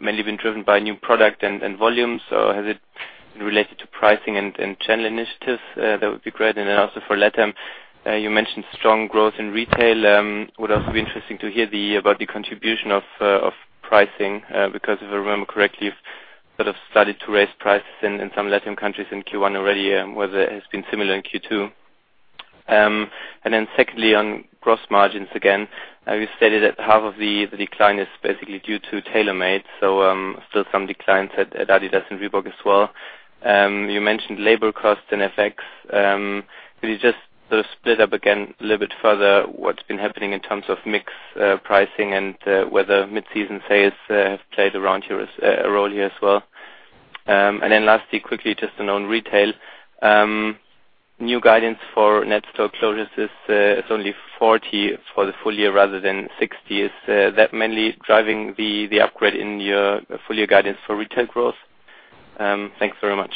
mainly been driven by new product and volumes, or has it been related to pricing and channel initiatives? That would be great. Also for LATAM, you mentioned strong growth in retail. Would also be interesting to hear about the contribution of pricing, because if I remember correctly, you've sort of started to raise prices in some LATAM countries in Q1 already, whether it has been similar in Q2. Secondly, on gross margins, again, you stated that half of the decline is basically due to TaylorMade, so still some declines at adidas and Reebok as well. You mentioned labor costs and FX. Could you just split up again a little bit further what's been happening in terms of mix pricing and whether mid-season sales have played a role here as well? Lastly, quickly, just on retail. New guidance for net store closures is only 40 for the full year rather than 60. Is that mainly driving the upgrade in your full-year guidance for retail growth? Thanks very much.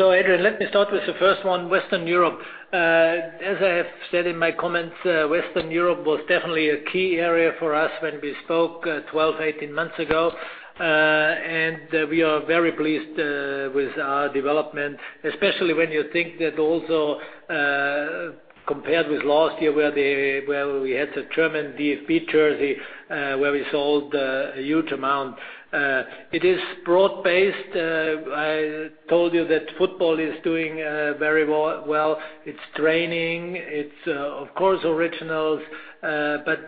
Adrian, let me start with the first one, Western Europe. As I have said in my comments, Western Europe was definitely a key area for us when we spoke 12, 18 months ago. We are very pleased with our development, especially when you think that also, compared with last year, where we had the German DFB jersey, where we sold a huge amount. It is broad-based. I told you that football is doing very well. It's training. It's, of course, adidas Originals.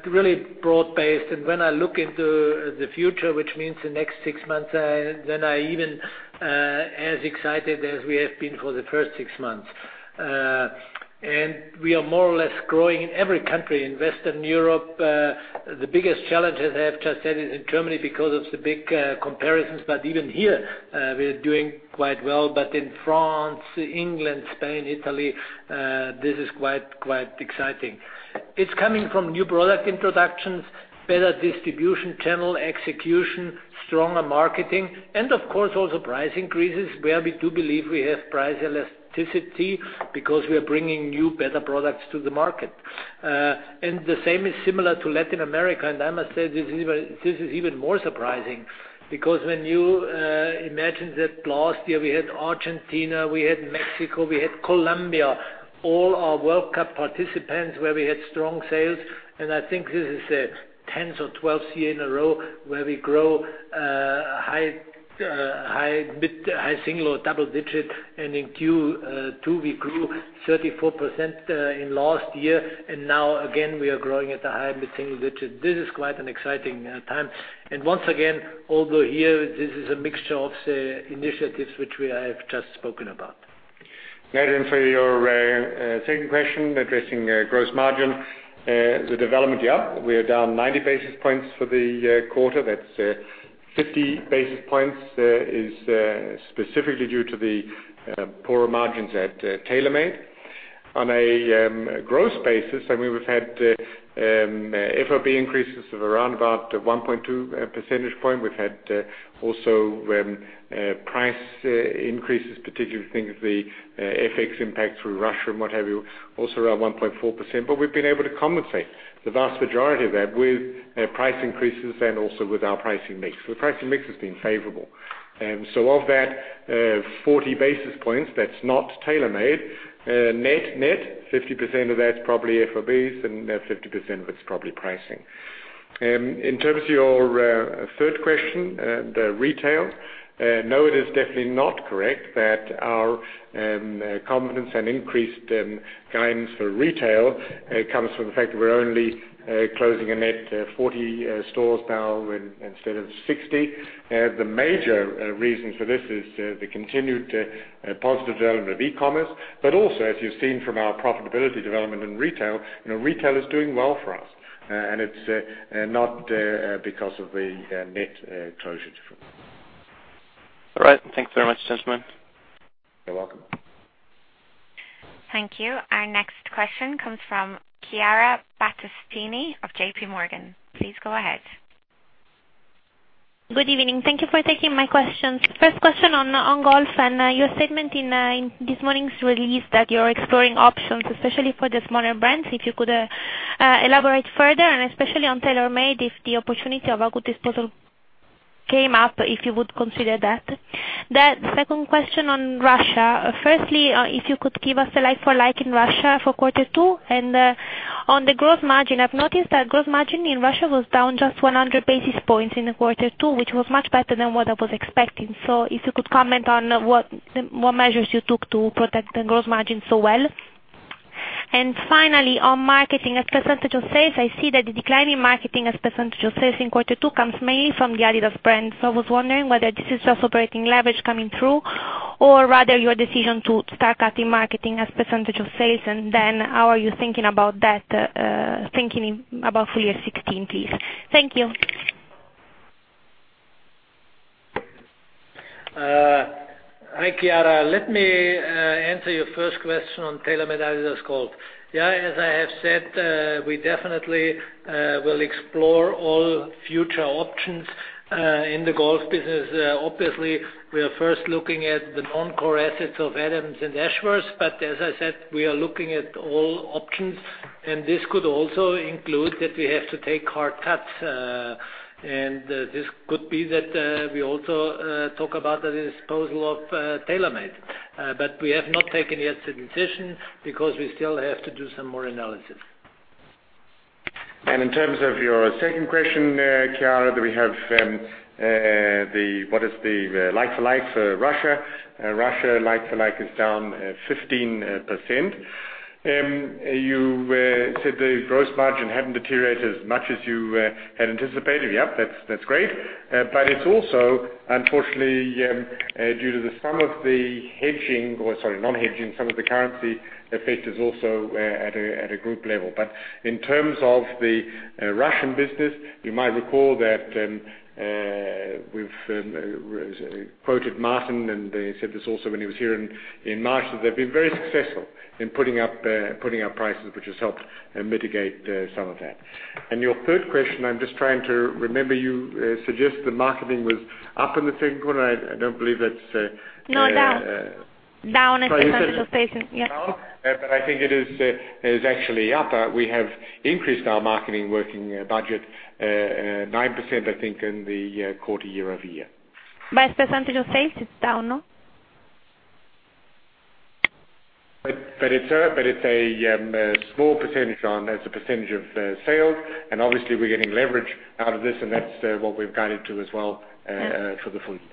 Really broad-based. When I look into the future, which means the next six months, then I even as excited as we have been for the first six months. We are more or less growing in every country. In Western Europe, the biggest challenge, as I have just said, is in Germany because of the big comparisons. Even here, we are doing quite well. In France, England, Spain, Italy, this is quite exciting. It's coming from new product introductions, better distribution channel execution, stronger marketing, and of course, also price increases, where we do believe we have price elasticity because we are bringing new, better products to the market. The same is similar to Latin America, I must say, this is even more surprising because when you imagine that last year we had Argentina, we had Mexico, we had Colombia, all our World Cup participants where we had strong sales, I think this is the 10th or 12th year in a row where we grow high single or double digit. In Q2, we grew 34% in last year, now again, we are growing at a high mid-single digit. This is quite an exciting time. Once again, although here, this is a mixture of initiatives which I have just spoken about. Martin, for your second question addressing gross margin, the development, yeah, we are down 90 basis points for the quarter. That's 50 basis points is specifically due to the poorer margins at TaylorMade. On a gross basis, we've had FOB increases of around about 1.2 percentage point. We've had also price increases, particularly think of the FX impact through Russia and what have you, also around 1.4%. We've been able to compensate the vast majority of that with price increases and also with our pricing mix. The pricing mix has been favorable. Of that 40 basis points, that's not TaylorMade. Net, 50% of that's probably FOBs and 50% of it's probably pricing. In terms of your third question, the retail. No, it is definitely not correct that our confidence and increased guidance for retail comes from the fact that we're only closing a net 40 stores now instead of 60. The major reason for this is the continued positive development of e-commerce, also as you've seen from our profitability development in retail is doing well for us. It's not because of the net closure difference. All right. Thank you very much, gentlemen. You're welcome. Thank you. Our next question comes from Chiara Battistini of JPMorgan. Please go ahead. Good evening. Thank you for taking my questions. First question on Golf and your statement in this morning's release that you're exploring options, especially for the smaller brands, if you could elaborate further and especially on TaylorMade, if the opportunity of a good disposal came up, if you would consider that. Secondly, if you could give us a like-for-like in Russia for quarter two and on the gross margin, I've noticed that gross margin in Russia was down just 100 basis points in the quarter two, which was much better than what I was expecting. If you could comment on what measures you took to protect the gross margin so well. Finally, on marketing as percentage of sales, I see that the decline in marketing as percentage of sales in quarter two comes mainly from the adidas brand. I was wondering whether this is just operating leverage coming through or rather your decision to start cutting marketing as percentage of sales. How are you thinking about that, thinking about full year 2016, please? Thank you. Hi, Chiara. Let me answer your first question on TaylorMade-adidas Golf. As I have said, we definitely will explore all future options in the golf business. Obviously, we are first looking at the non-core assets of Adams and Ashworth, but as I said, we are looking at all options, this could also include that we have to take hard cuts. This could be that we also talk about the disposal of TaylorMade. We have not taken yet a decision because we still have to do some more analysis. In terms of your second question, Chiara, that we have what is the like-for-like for Russia. Russia like-for-like is down 15%. You said the gross margin hadn't deteriorated as much as you had anticipated. Yep, that's great. It's also unfortunately due to the some of the hedging, or sorry, non-hedging, some of the currency effect is also at a group level. In terms of the Russian business, you might recall that we've quoted Martin, and he said this also when he was here in March, that they've been very successful in putting up prices, which has helped mitigate some of that. Your third question, I'm just trying to remember, you suggest the marketing was up in the second quarter. I don't believe that's- No, down. Down as a % of sales. No. I think it is actually up. We have increased our marketing working budget 9%, I think, in the quarter, year-over-year. As % of sales, it's down, no? It's a small percentage as a percentage of sales. Obviously, we're getting leverage out of this, and that's what we've guided to as well for the full year.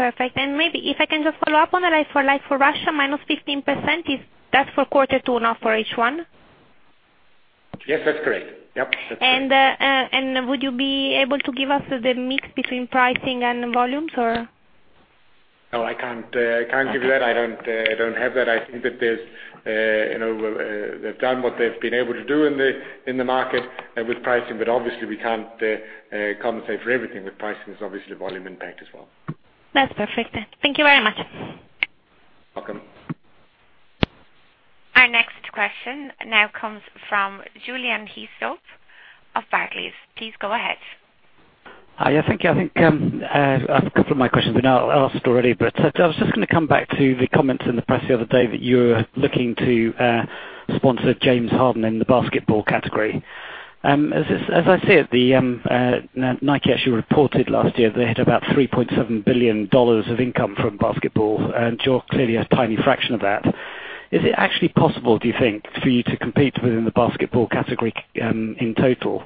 Perfect. Maybe if I can just follow up on the like-for-like for Russia, minus 15%, is that for quarter two, not for H1? Yes, that's correct. Yep, that's correct. Would you be able to give us the mix between pricing and volumes or? No, I can't give you that. I don't have that. I think that they've done what they've been able to do in the market with pricing, but obviously, we can't compensate for everything with pricing. There's obviously volume impact as well. That's perfect. Thank you very much. Welcome. Our next question now comes from Jurgen Heathcote of Barclays. Please go ahead. Hi. Yeah, thank you. I was just going to come back to the comments in the press the other day that you were looking to sponsor James Harden in the basketball category. As I say it, Nike actually reported last year they had about $3.7 billion of income from basketball, you're clearly a tiny fraction of that. Is it actually possible, do you think, for you to compete within the basketball category in total?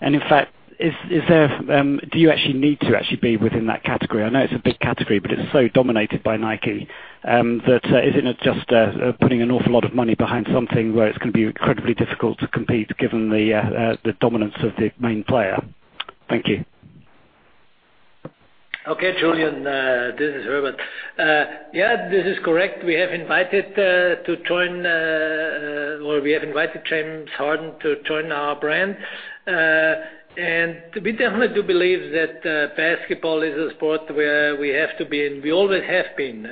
In fact, do you actually need to actually be within that category? I know it's a big category, but it's so dominated by Nike, that isn't it just putting an awful lot of money behind something where it's going to be incredibly difficult to compete given the dominance of the main player? Thank you. Okay, Jurgen, this is Herbert. This is correct. We have invited James Harden to join our brand. We definitely do believe that basketball is a sport where we have to be in. We always have been.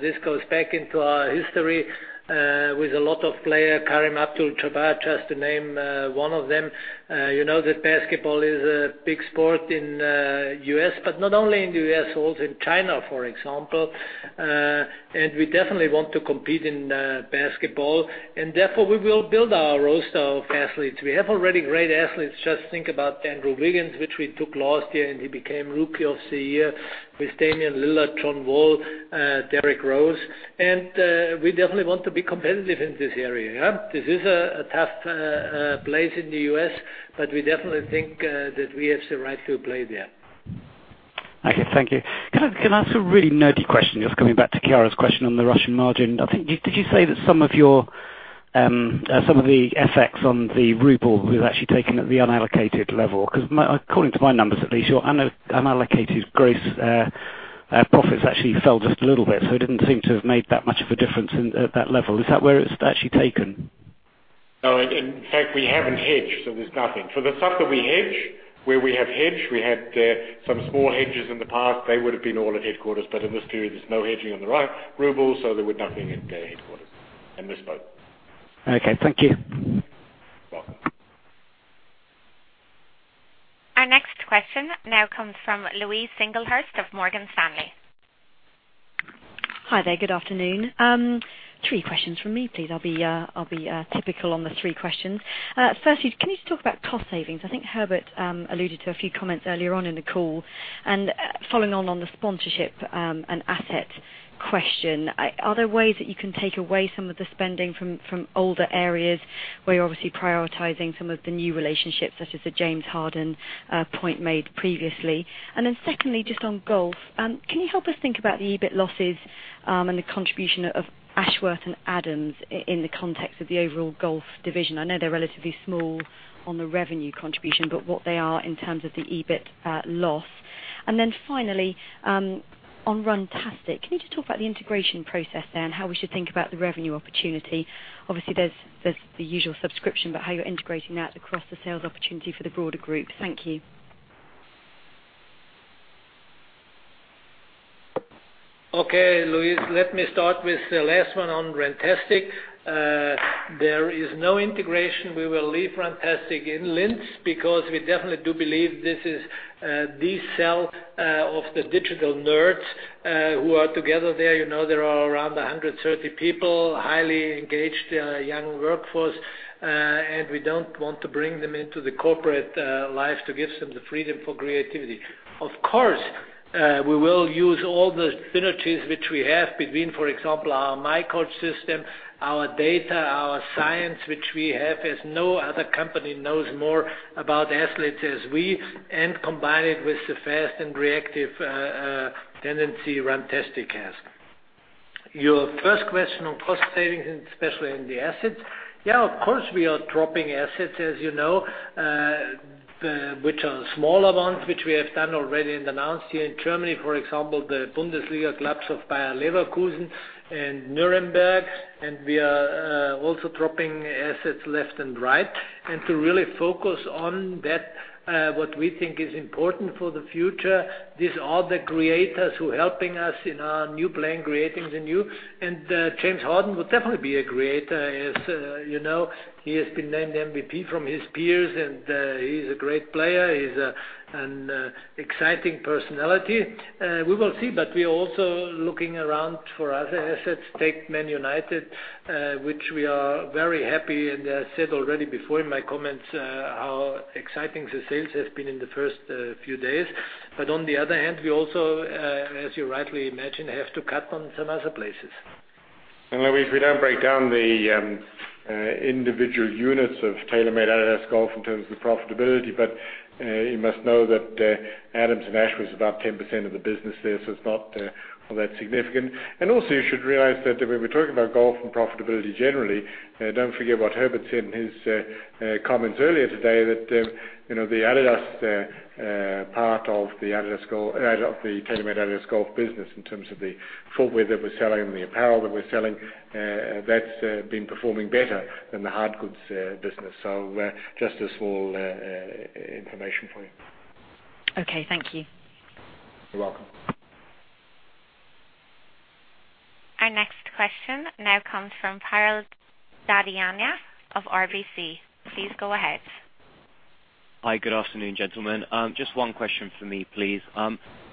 This goes back into our history with a lot of players, Kareem Abdul-Jabbar, just to name one of them. You know that basketball is a big sport in the U.S., but not only in the U.S., also in China, for example. We definitely want to compete in basketball, therefore we will build our roster of athletes. We have already great athletes. Just think about Andrew Wiggins, which we took last year, he became Rookie of the Year with Damian Lillard, John Wall, Derrick Rose. We definitely want to be competitive in this area. Yeah. This is a tough place in the U.S., we definitely think that we have the right to play there. Okay. Thank you. Can I ask a really nerdy question, just coming back to Chiara's question on the Russian margin? Did you say that some of the effects on the ruble was actually taken at the unallocated level? Because according to my numbers, at least, your unallocated gross profits actually fell just a little bit, so it didn't seem to have made that much of a difference at that level. Is that where it's actually taken? No, in fact, we haven't hedged, so there's nothing. For the stuff that we hedge, where we have hedged, we had some small hedges in the past. They would have been all at headquarters, in this period, there's no hedging on the rubles, so there were nothing in headquarters in this boat. Okay, thank you. You're welcome. Our next question now comes from Louise Singlehurst of Morgan Stanley. Hi there. Good afternoon. Three questions from me, please. I'll be typical on the three questions. Firstly, can you just talk about cost savings? I think Herbert alluded to a few comments earlier on in the call. Following on the sponsorship and asset question, are there ways that you can take away some of the spending from older areas where you're obviously prioritizing some of the new relationships, such as the James Harden point made previously? Secondly, just on golf, can you help us think about the EBIT losses and the contribution of Ashworth and Adams in the context of the overall golf division? I know they're relatively small on the revenue contribution, but what they are in terms of the EBIT loss. Finally, on Runtastic, can you just talk about the integration process there and how we should think about the revenue opportunity? Obviously, there's the usual subscription, how you're integrating that across the sales opportunity for the broader group. Thank you. Okay, Louise, let me start with the last one on Runtastic. There is no integration. We will leave Runtastic in Linz because we definitely do believe this is the cell of the digital nerds who are together there. There are around 130 people, highly engaged, young workforce, we don't want to bring them into the corporate life to give them the freedom for creativity. Of course, we will use all the synergies which we have between, for example, our miCoach system, our data, our science, which we have as no other company knows more about athletes as we, combine it with the fast and reactive tendency Runtastic has. Your first question on cost savings, especially in the assets. Yeah, of course, we are dropping assets, as you know, which are smaller ones, which we have done already and announced here in Germany, for example, the Bundesliga clubs of Bayer Leverkusen and Nuremberg. We are also dropping assets left and right. To really focus on that, what we think is important for the future, these are the creators who are helping us in our new plan, Creating the New. James Harden would definitely be a creator, as you know. He has been named MVP from his peers, he's a great player. He's an exciting personality. We will see, we are also looking around for other assets. Take Man United, which we are very happy, I said already before in my comments how exciting the sales has been in the first few days. On the other hand, we also, as you rightly imagine, have to cut on some other places. Louise, we don't break down the individual units of TaylorMade-adidas Golf in terms of profitability, but you must know that Adams and Ashworth is about 10% of the business there, so it's not all that significant. Also, you should realize that when we're talking about golf and profitability generally, don't forget what Herbert said in his comments earlier today, that the adidas part of the TaylorMade-adidas Golf business in terms of the footwear that we're selling and the apparel that we're selling, that's been performing better than the hard goods business. Just a small information for you. Okay, thank you. You're welcome. Our next question now comes from Piral Dadhania of RBC. Please go ahead. Hi. Good afternoon, gentlemen. Just one question for me, please.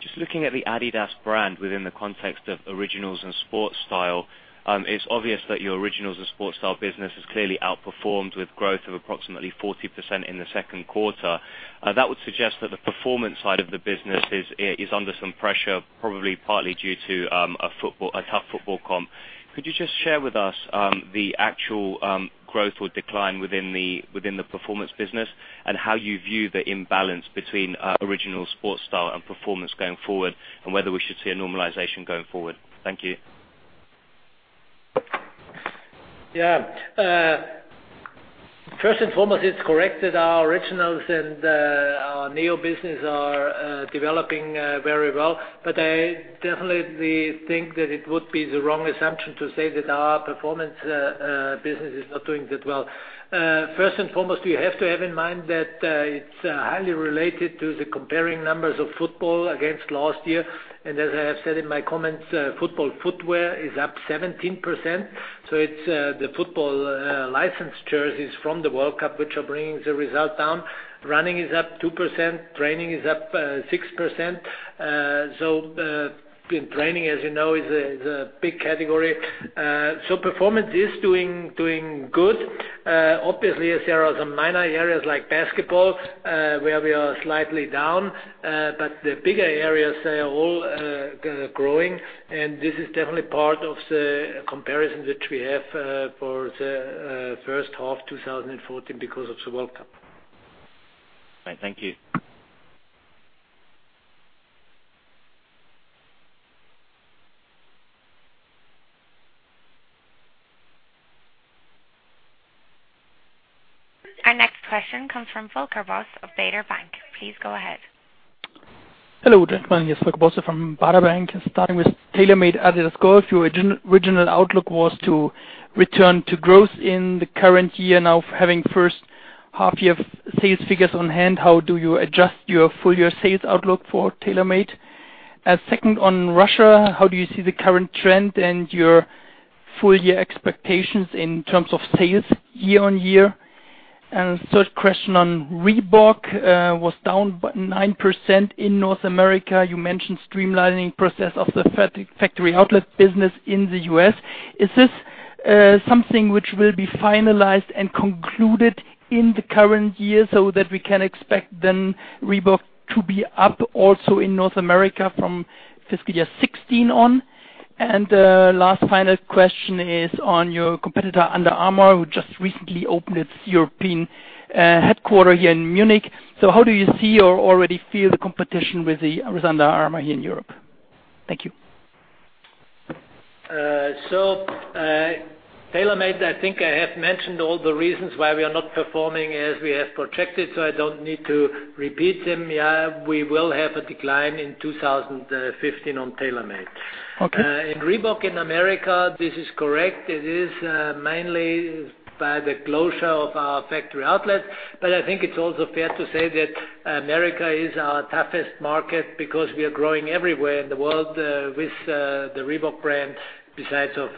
Just looking at the adidas brand within the context of Originals and Sport Style, it's obvious that your Originals and Sport Style business has clearly outperformed with growth of approximately 40% in the second quarter. That would suggest that the performance side of the business is under some pressure, probably partly due to a tough football comp. Could you just share with us the actual growth or decline within the performance business and how you view the imbalance between Originals, Sport Style, and performance going forward, and whether we should see a normalization going forward? Thank you. Yeah. First and foremost, it's correct that our Originals and our NEO business are developing very well. I definitely think that it would be the wrong assumption to say that our performance business is not doing that well. First and foremost, we have to have in mind that it's highly related to the comparing numbers of football against last year. As I have said in my comments, football footwear is up 17%. It's the football license jerseys from the World Cup which are bringing the result down. Running is up 2%, training is up 6%. Training, as you know, is a big category. Performance is doing good. Obviously, there are some minor areas like basketball, where we are slightly down. The bigger areas, they are all growing, and this is definitely part of the comparison that we have for the first half 2014 because of the World Cup. Right. Thank you. Our next question comes from Volker Bosse of Baader Bank. Please go ahead. Hello, gentlemen. It's Volker Bosse from Baader Bank. Starting with TaylorMade-adidas Golf, your original outlook was to return to growth in the current year. Now, having first half year sales figures on hand, how do you adjust your full-year sales outlook for TaylorMade? Second, on Russia, how do you see the current trend and your full-year expectations in terms of sales year-on-year? Third question on Reebok was down 9% in North America. You mentioned streamlining process of the factory outlet business in the U.S. Is this something which will be finalized and concluded in the current year so that we can expect Reebok to be up also in North America from FY 2016 on? Last final question is on your competitor, Under Armour, who just recently opened its European headquarter here in Munich. How do you see or already feel the competition with Under Armour here in Europe? Thank you. TaylorMade, I think I have mentioned all the reasons why we are not performing as we have projected, I don't need to repeat them. Yeah, we will have a decline in 2015 on TaylorMade. Okay. In Reebok in America, this is correct. It is mainly by the closure of our factory outlets. I think it's also fair to say that America is our toughest market because we are growing everywhere in the world with the Reebok brand besides of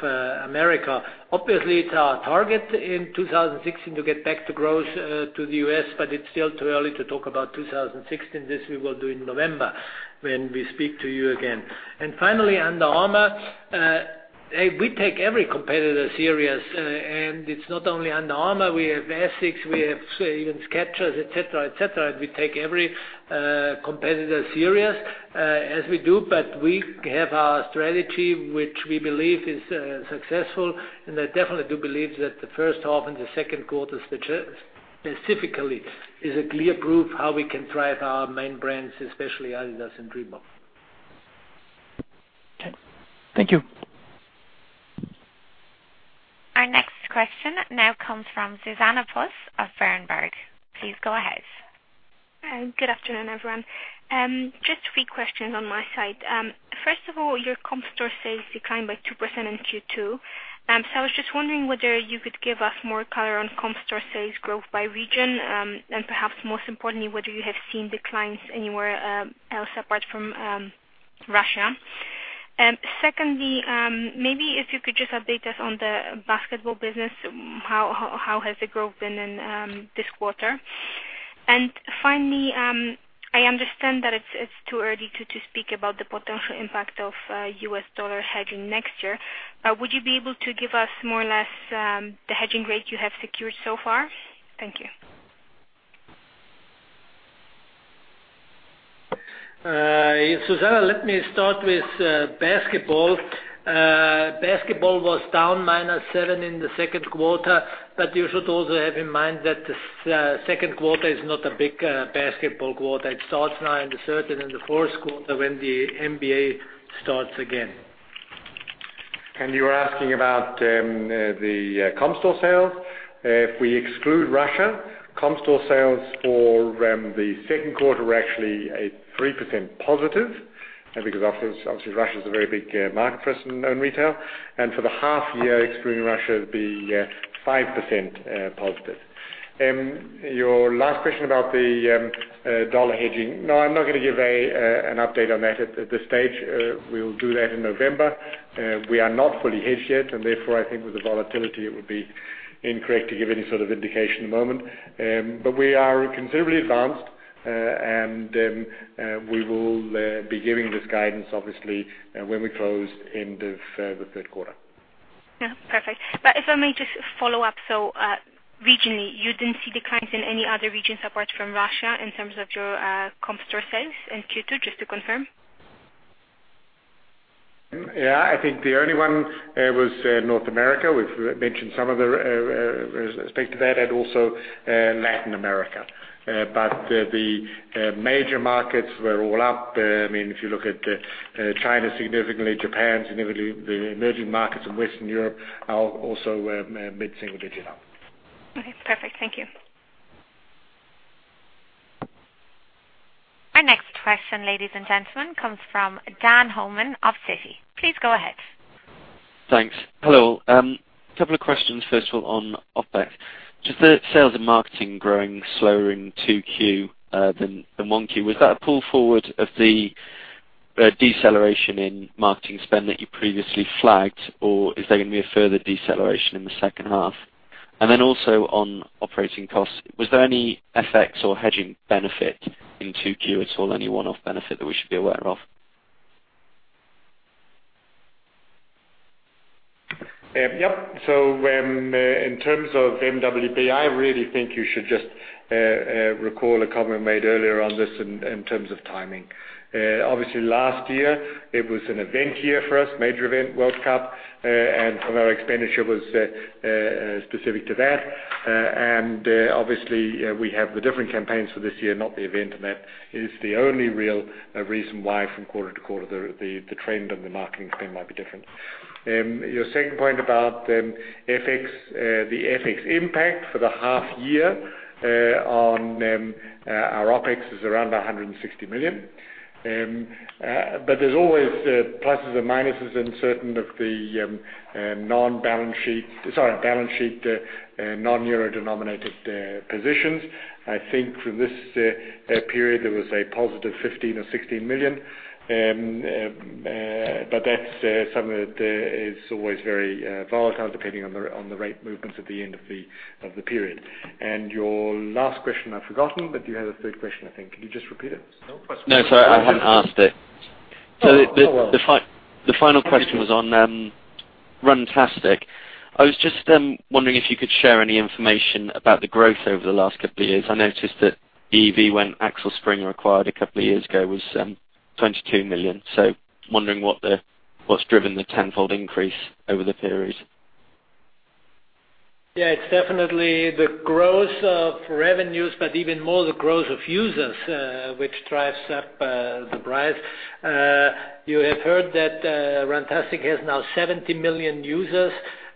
America. Obviously, it's our target in 2016 to get back to growth to the U.S., but it's still too early to talk about 2016. This we will do in November when we speak to you again. Finally, Under Armour. We take every competitor serious, and it's not only Under Armour. We have ASICS, we have even Skechers, et cetera. We take every competitor serious, as we do. We have our strategy, which we believe is successful, and I definitely do believe that the first half and the second quarter specifically is a clear proof how we can drive our main brands, especially adidas and Reebok. Okay. Thank you. Our next question now comes from Zuzanna Pusz of Berenberg. Please go ahead. Good afternoon, everyone. Just three questions on my side. First of all, your comp store sales declined by 2% in Q2. I was just wondering whether you could give us more color on comp store sales growth by region, and perhaps most importantly, whether you have seen declines anywhere else apart from Russia. Secondly, maybe if you could just update us on the basketball business. How has the growth been in this quarter? Finally, I understand that it's too early to speak about the potential impact of U.S. dollar hedging next year. Would you be able to give us more or less the hedging rate you have secured so far? Thank you. Zuzanna, let me start with basketball. Basketball was down -7 in the second quarter, you should also have in mind that the second quarter is not a big basketball quarter. It starts now in the third and in the fourth quarter when the NBA starts again. You were asking about the comp store sales. If we exclude Russia, comp store sales for the second quarter were actually a 3% positive, because obviously Russia is a very big market for us in own retail. For the half year, excluding Russia, it would be 5% positive. Your last question about the dollar hedging. No, I'm not going to give an update on that at this stage. We will do that in November. We are not fully hedged yet, therefore, I think with the volatility, it would be incorrect to give any sort of indication at the moment. We are considerably advanced, and we will be giving this guidance, obviously, when we close end of the third quarter. Yeah. Perfect. If I may just follow up. Regionally, you didn't see declines in any other regions apart from Russia in terms of your comp store sales in Q2, just to confirm? Yeah. I think the only one was North America. We've mentioned some of the aspects of that, and also Latin America. The major markets were all up. If you look at China, significantly, Japan, significantly, the emerging markets in Western Europe are also mid-single digit. Okay. Perfect. Thank you. Our next question, ladies and gentlemen, comes from Dan Homan of Citi. Please go ahead. Thanks. Hello. A couple of questions first of all, on OpEx. Just the sales and marketing growing slower in Q2 than in Q1. Was that a pull forward of the deceleration in marketing spend that you previously flagged, or is there going to be a further deceleration in the second half? Then also on operating costs, was there any FX or hedging benefit in Q2 at all, any one-off benefit that we should be aware of? Yep. In terms of MWB, I really think you should just recall a comment made earlier on this in terms of timing. Obviously last year it was an event year for us, major event, World Cup, and some of our expenditure was specific to that. Obviously we have the different campaigns for this year, not the event, and that is the only real reason why from quarter to quarter, the trend and the marketing spend might be different. Your second point about the FX impact for the half year on our OpEx is around 160 million. There's always pluses and minuses in certain of the balance sheet non-euro denominated positions. I think for this period it was a positive 15 million or 16 million. That is something that is always very volatile, depending on the rate movements at the end of the period. Your last question I've forgotten, but you had a third question, I think. Could you just repeat it? No, sorry, I haven't asked it. Oh, well. The final question was on Runtastic. I was just wondering if you could share any information about the growth over the last couple of years. I noticed that EV, when Axel Springer acquired a couple of years ago, was 22 million. Wondering what's driven the tenfold increase over the period. Yeah, it's definitely the growth of revenues, but even more the growth of users, which drives up the price. You have heard that Runtastic has now 70 million users,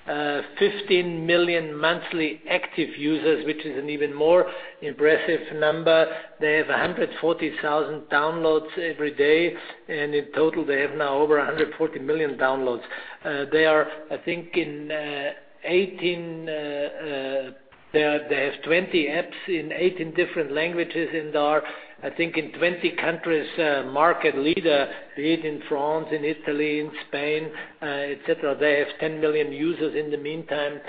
15 million monthly active users, which is an even more impressive number. They have 140,000 downloads every day, and in total, they have now over 140 million downloads. They have 20 apps in 18 different languages and are, I think in 20 countries, market leader, be it in France, in Italy, in Spain, et cetera. They have 10 million users in the meantime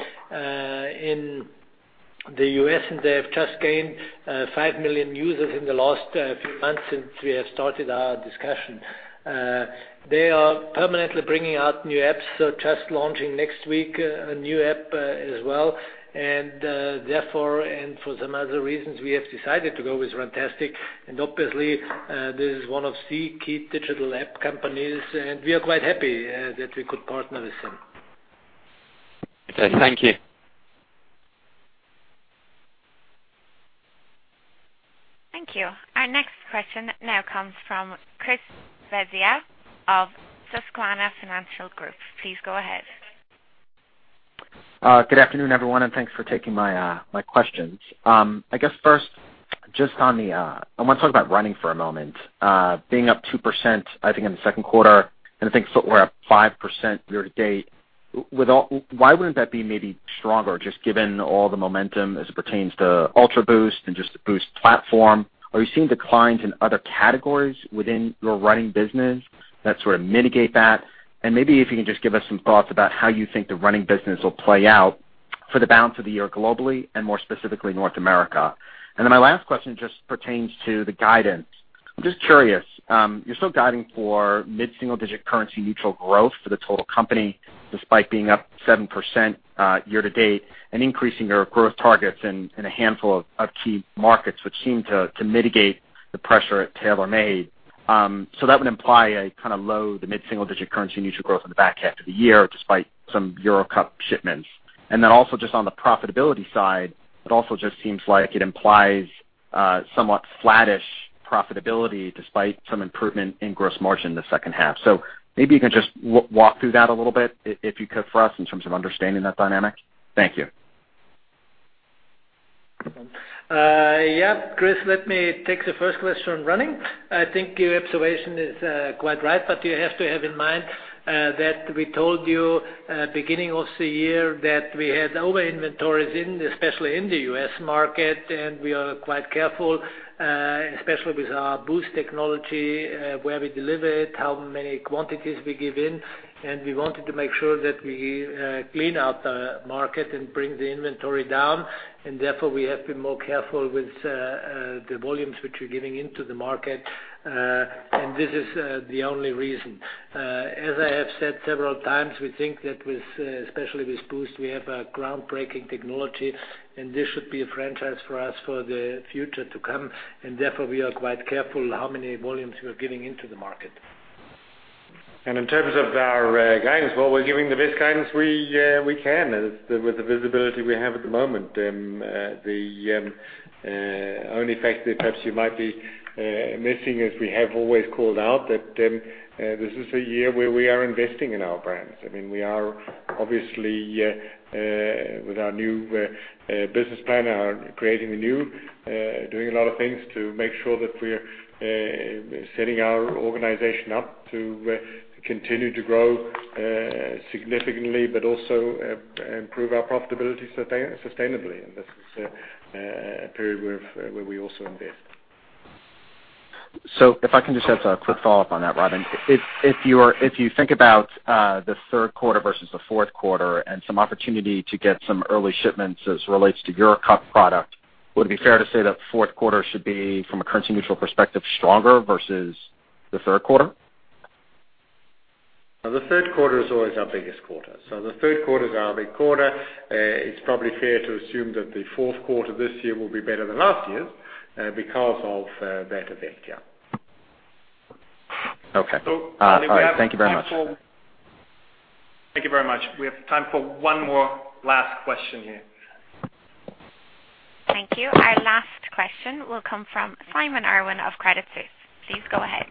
in the U.S., and they have just gained five million users in the last few months since we have started our discussion. They are permanently bringing out new apps, so just launching next week a new app as well. Therefore, and for some other reasons, we have decided to go with Runtastic. Obviously this is one of the key digital app companies, and we are quite happy that we could partner with them. Okay, thank you. Thank you. Our next question now comes from Christopher Svezia of Susquehanna Financial Group. Please go ahead. Good afternoon, everyone. Thanks for taking my questions. I guess first, I want to talk about running for a moment. Being up 2%, I think in the second quarter, and I think footwear up 5% year-to-date, why wouldn't that be maybe stronger just given all the momentum as it pertains to Ultraboost and just the Boost platform? Are you seeing declines in other categories within your running business that sort of mitigate that? Maybe if you can just give us some thoughts about how you think the running business will play out for the balance of the year globally and more specifically North America. My last question just pertains to the guidance. Just curious, you're still guiding for mid-single-digit currency neutral growth for the total company, despite being up 7% year-to-date and increasing your growth targets in a handful of key markets, which seem to mitigate the pressure at TaylorMade. That would imply a low to mid-single-digit currency neutral growth in the back half of the year, despite some Euro Cup shipments. Also just on the profitability side, it also just seems like it implies somewhat flattish profitability despite some improvement in gross margin in the second half. Maybe you can just walk through that a little bit, if you could, for us in terms of understanding that dynamic. Thank you. Chris, let me take the first question on running. I think your observation is quite right, but you have to have in mind that we told you beginning of the year that we had over inventories, especially in the U.S. market. We are quite careful, especially with our Boost technology, where we deliver it, how many quantities we give in. We wanted to make sure that we clean out the market and bring the inventory down. Therefore, we have been more careful with the volumes which we're giving into the market. This is the only reason. As I have said several times, we think that especially with Boost, we have a groundbreaking technology. This should be a franchise for us for the future to come, therefore, we are quite careful how many volumes we are giving into the market. In terms of our guidance, well, we're giving the best guidance we can with the visibility we have at the moment. The only factor perhaps you might be missing is we have always called out that this is a year where we are investing in our brands. We are obviously, with our new business plan, are creating anew, doing a lot of things to make sure that we're setting our organization up to continue to grow significantly, but also improve our profitability sustainably. This is a period where we also invest. If I can just have a quick follow-up on that, Robin. If you think about the third quarter versus the fourth quarter and some opportunity to get some early shipments as relates to your cup product, would it be fair to say that fourth quarter should be, from a currency-neutral perspective, stronger versus the third quarter? The third quarter is always our biggest quarter. The third quarter is our big quarter. It's probably fair to assume that the fourth quarter this year will be better than last year because of that event. Yeah. Okay. All right. Thank you very much. Thank you very much. We have time for one more last question here. Thank you. Our last question will come from Simon Irwin of Credit Suisse. Please go ahead.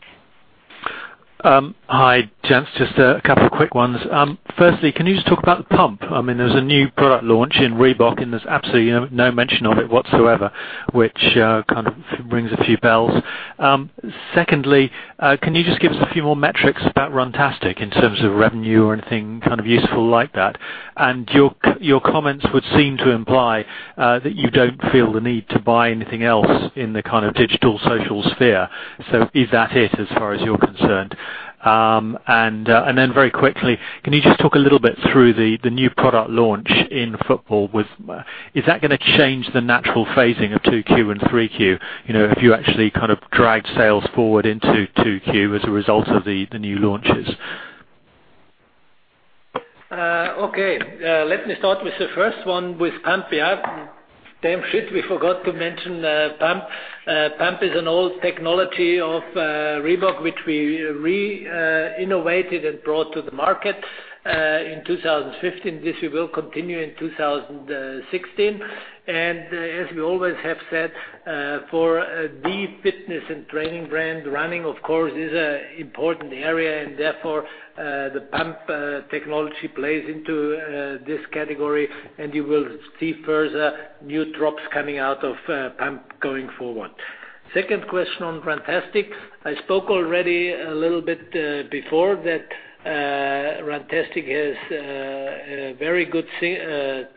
Hi, gents. Just a couple of quick ones. Firstly, can you just talk about the Pump? There was a new product launch in Reebok, there's absolutely no mention of it whatsoever, which kind of rings a few bells. Secondly, can you just give us a few more metrics about Runtastic in terms of revenue or anything kind of useful like that? Your comments would seem to imply that you don't feel the need to buy anything else in the kind of digital social sphere. Is that it as far as you're concerned? Then very quickly, can you just talk a little bit through the new product launch in football? Is that going to change the natural phasing of 2Q and 3Q? Have you actually kind of dragged sales forward into 2Q as a result of the new launches? Okay. Let me start with the first one with Pump. Damn shit, we forgot to mention Pump. Pump is an old technology of Reebok, which we re-innovated and brought to the market in 2015. This we will continue in 2016. As we always have said, for the fitness and training brand, running of course is an important area, therefore the Pump technology plays into this category, you will see further new drops coming out of Pump going forward. Second question on Runtastic. I spoke already a little bit before that Runtastic has very good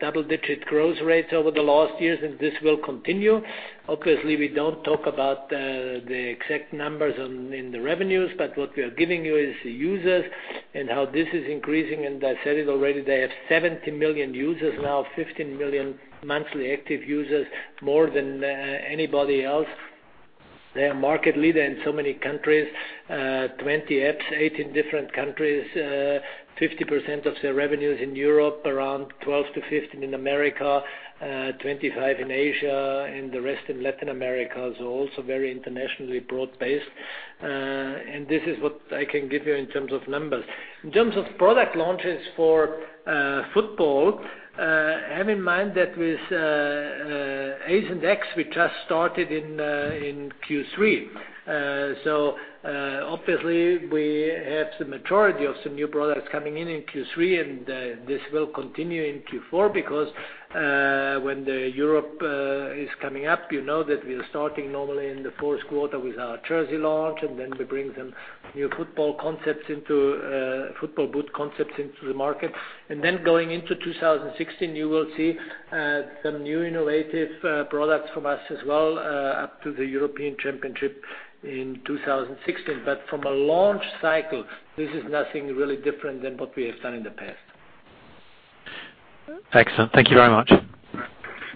double-digit growth rates over the last years, this will continue. Obviously, we don't talk about the exact numbers in the revenues, but what we are giving you is the users and how this is increasing. I said it already, they have 70 million users now, 15 million monthly active users, more than anybody else. They are market leader in so many countries. 20 apps, 18 different countries, 50% of their revenues in Europe, around 12%-15% in America, 25% in Asia, and the rest in Latin America. Also very internationally broad based. This is what I can give you in terms of numbers. In terms of product launches for football, have in mind that with X, we just started in Q3. Obviously we have the majority of some new products coming in in Q3, and this will continue in Q4 because when the Europe is coming up, you know that we are starting normally in the fourth quarter with our jersey launch, and then we bring some new football boot concepts into the market. Going into 2016, you will see some new innovative products from us as well up to the European Championship in 2016. From a launch cycle, this is nothing really different than what we have done in the past. Excellent. Thank you very much.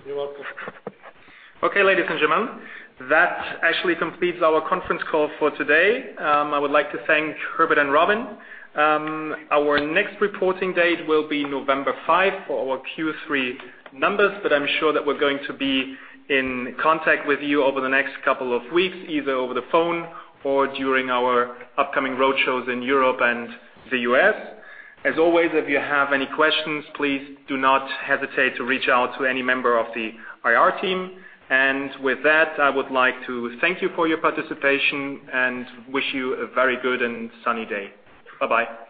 You're welcome. Okay, ladies and gentlemen, that actually completes our conference call for today. I would like to thank Herbert and Robin. Our next reporting date will be November 5 for our Q3 numbers, but I'm sure that we're going to be in contact with you over the next couple of weeks, either over the phone or during our upcoming road shows in Europe and the U.S. As always, if you have any questions, please do not hesitate to reach out to any member of the IR team. I would like to thank you for your participation and wish you a very good and sunny day. Bye-bye.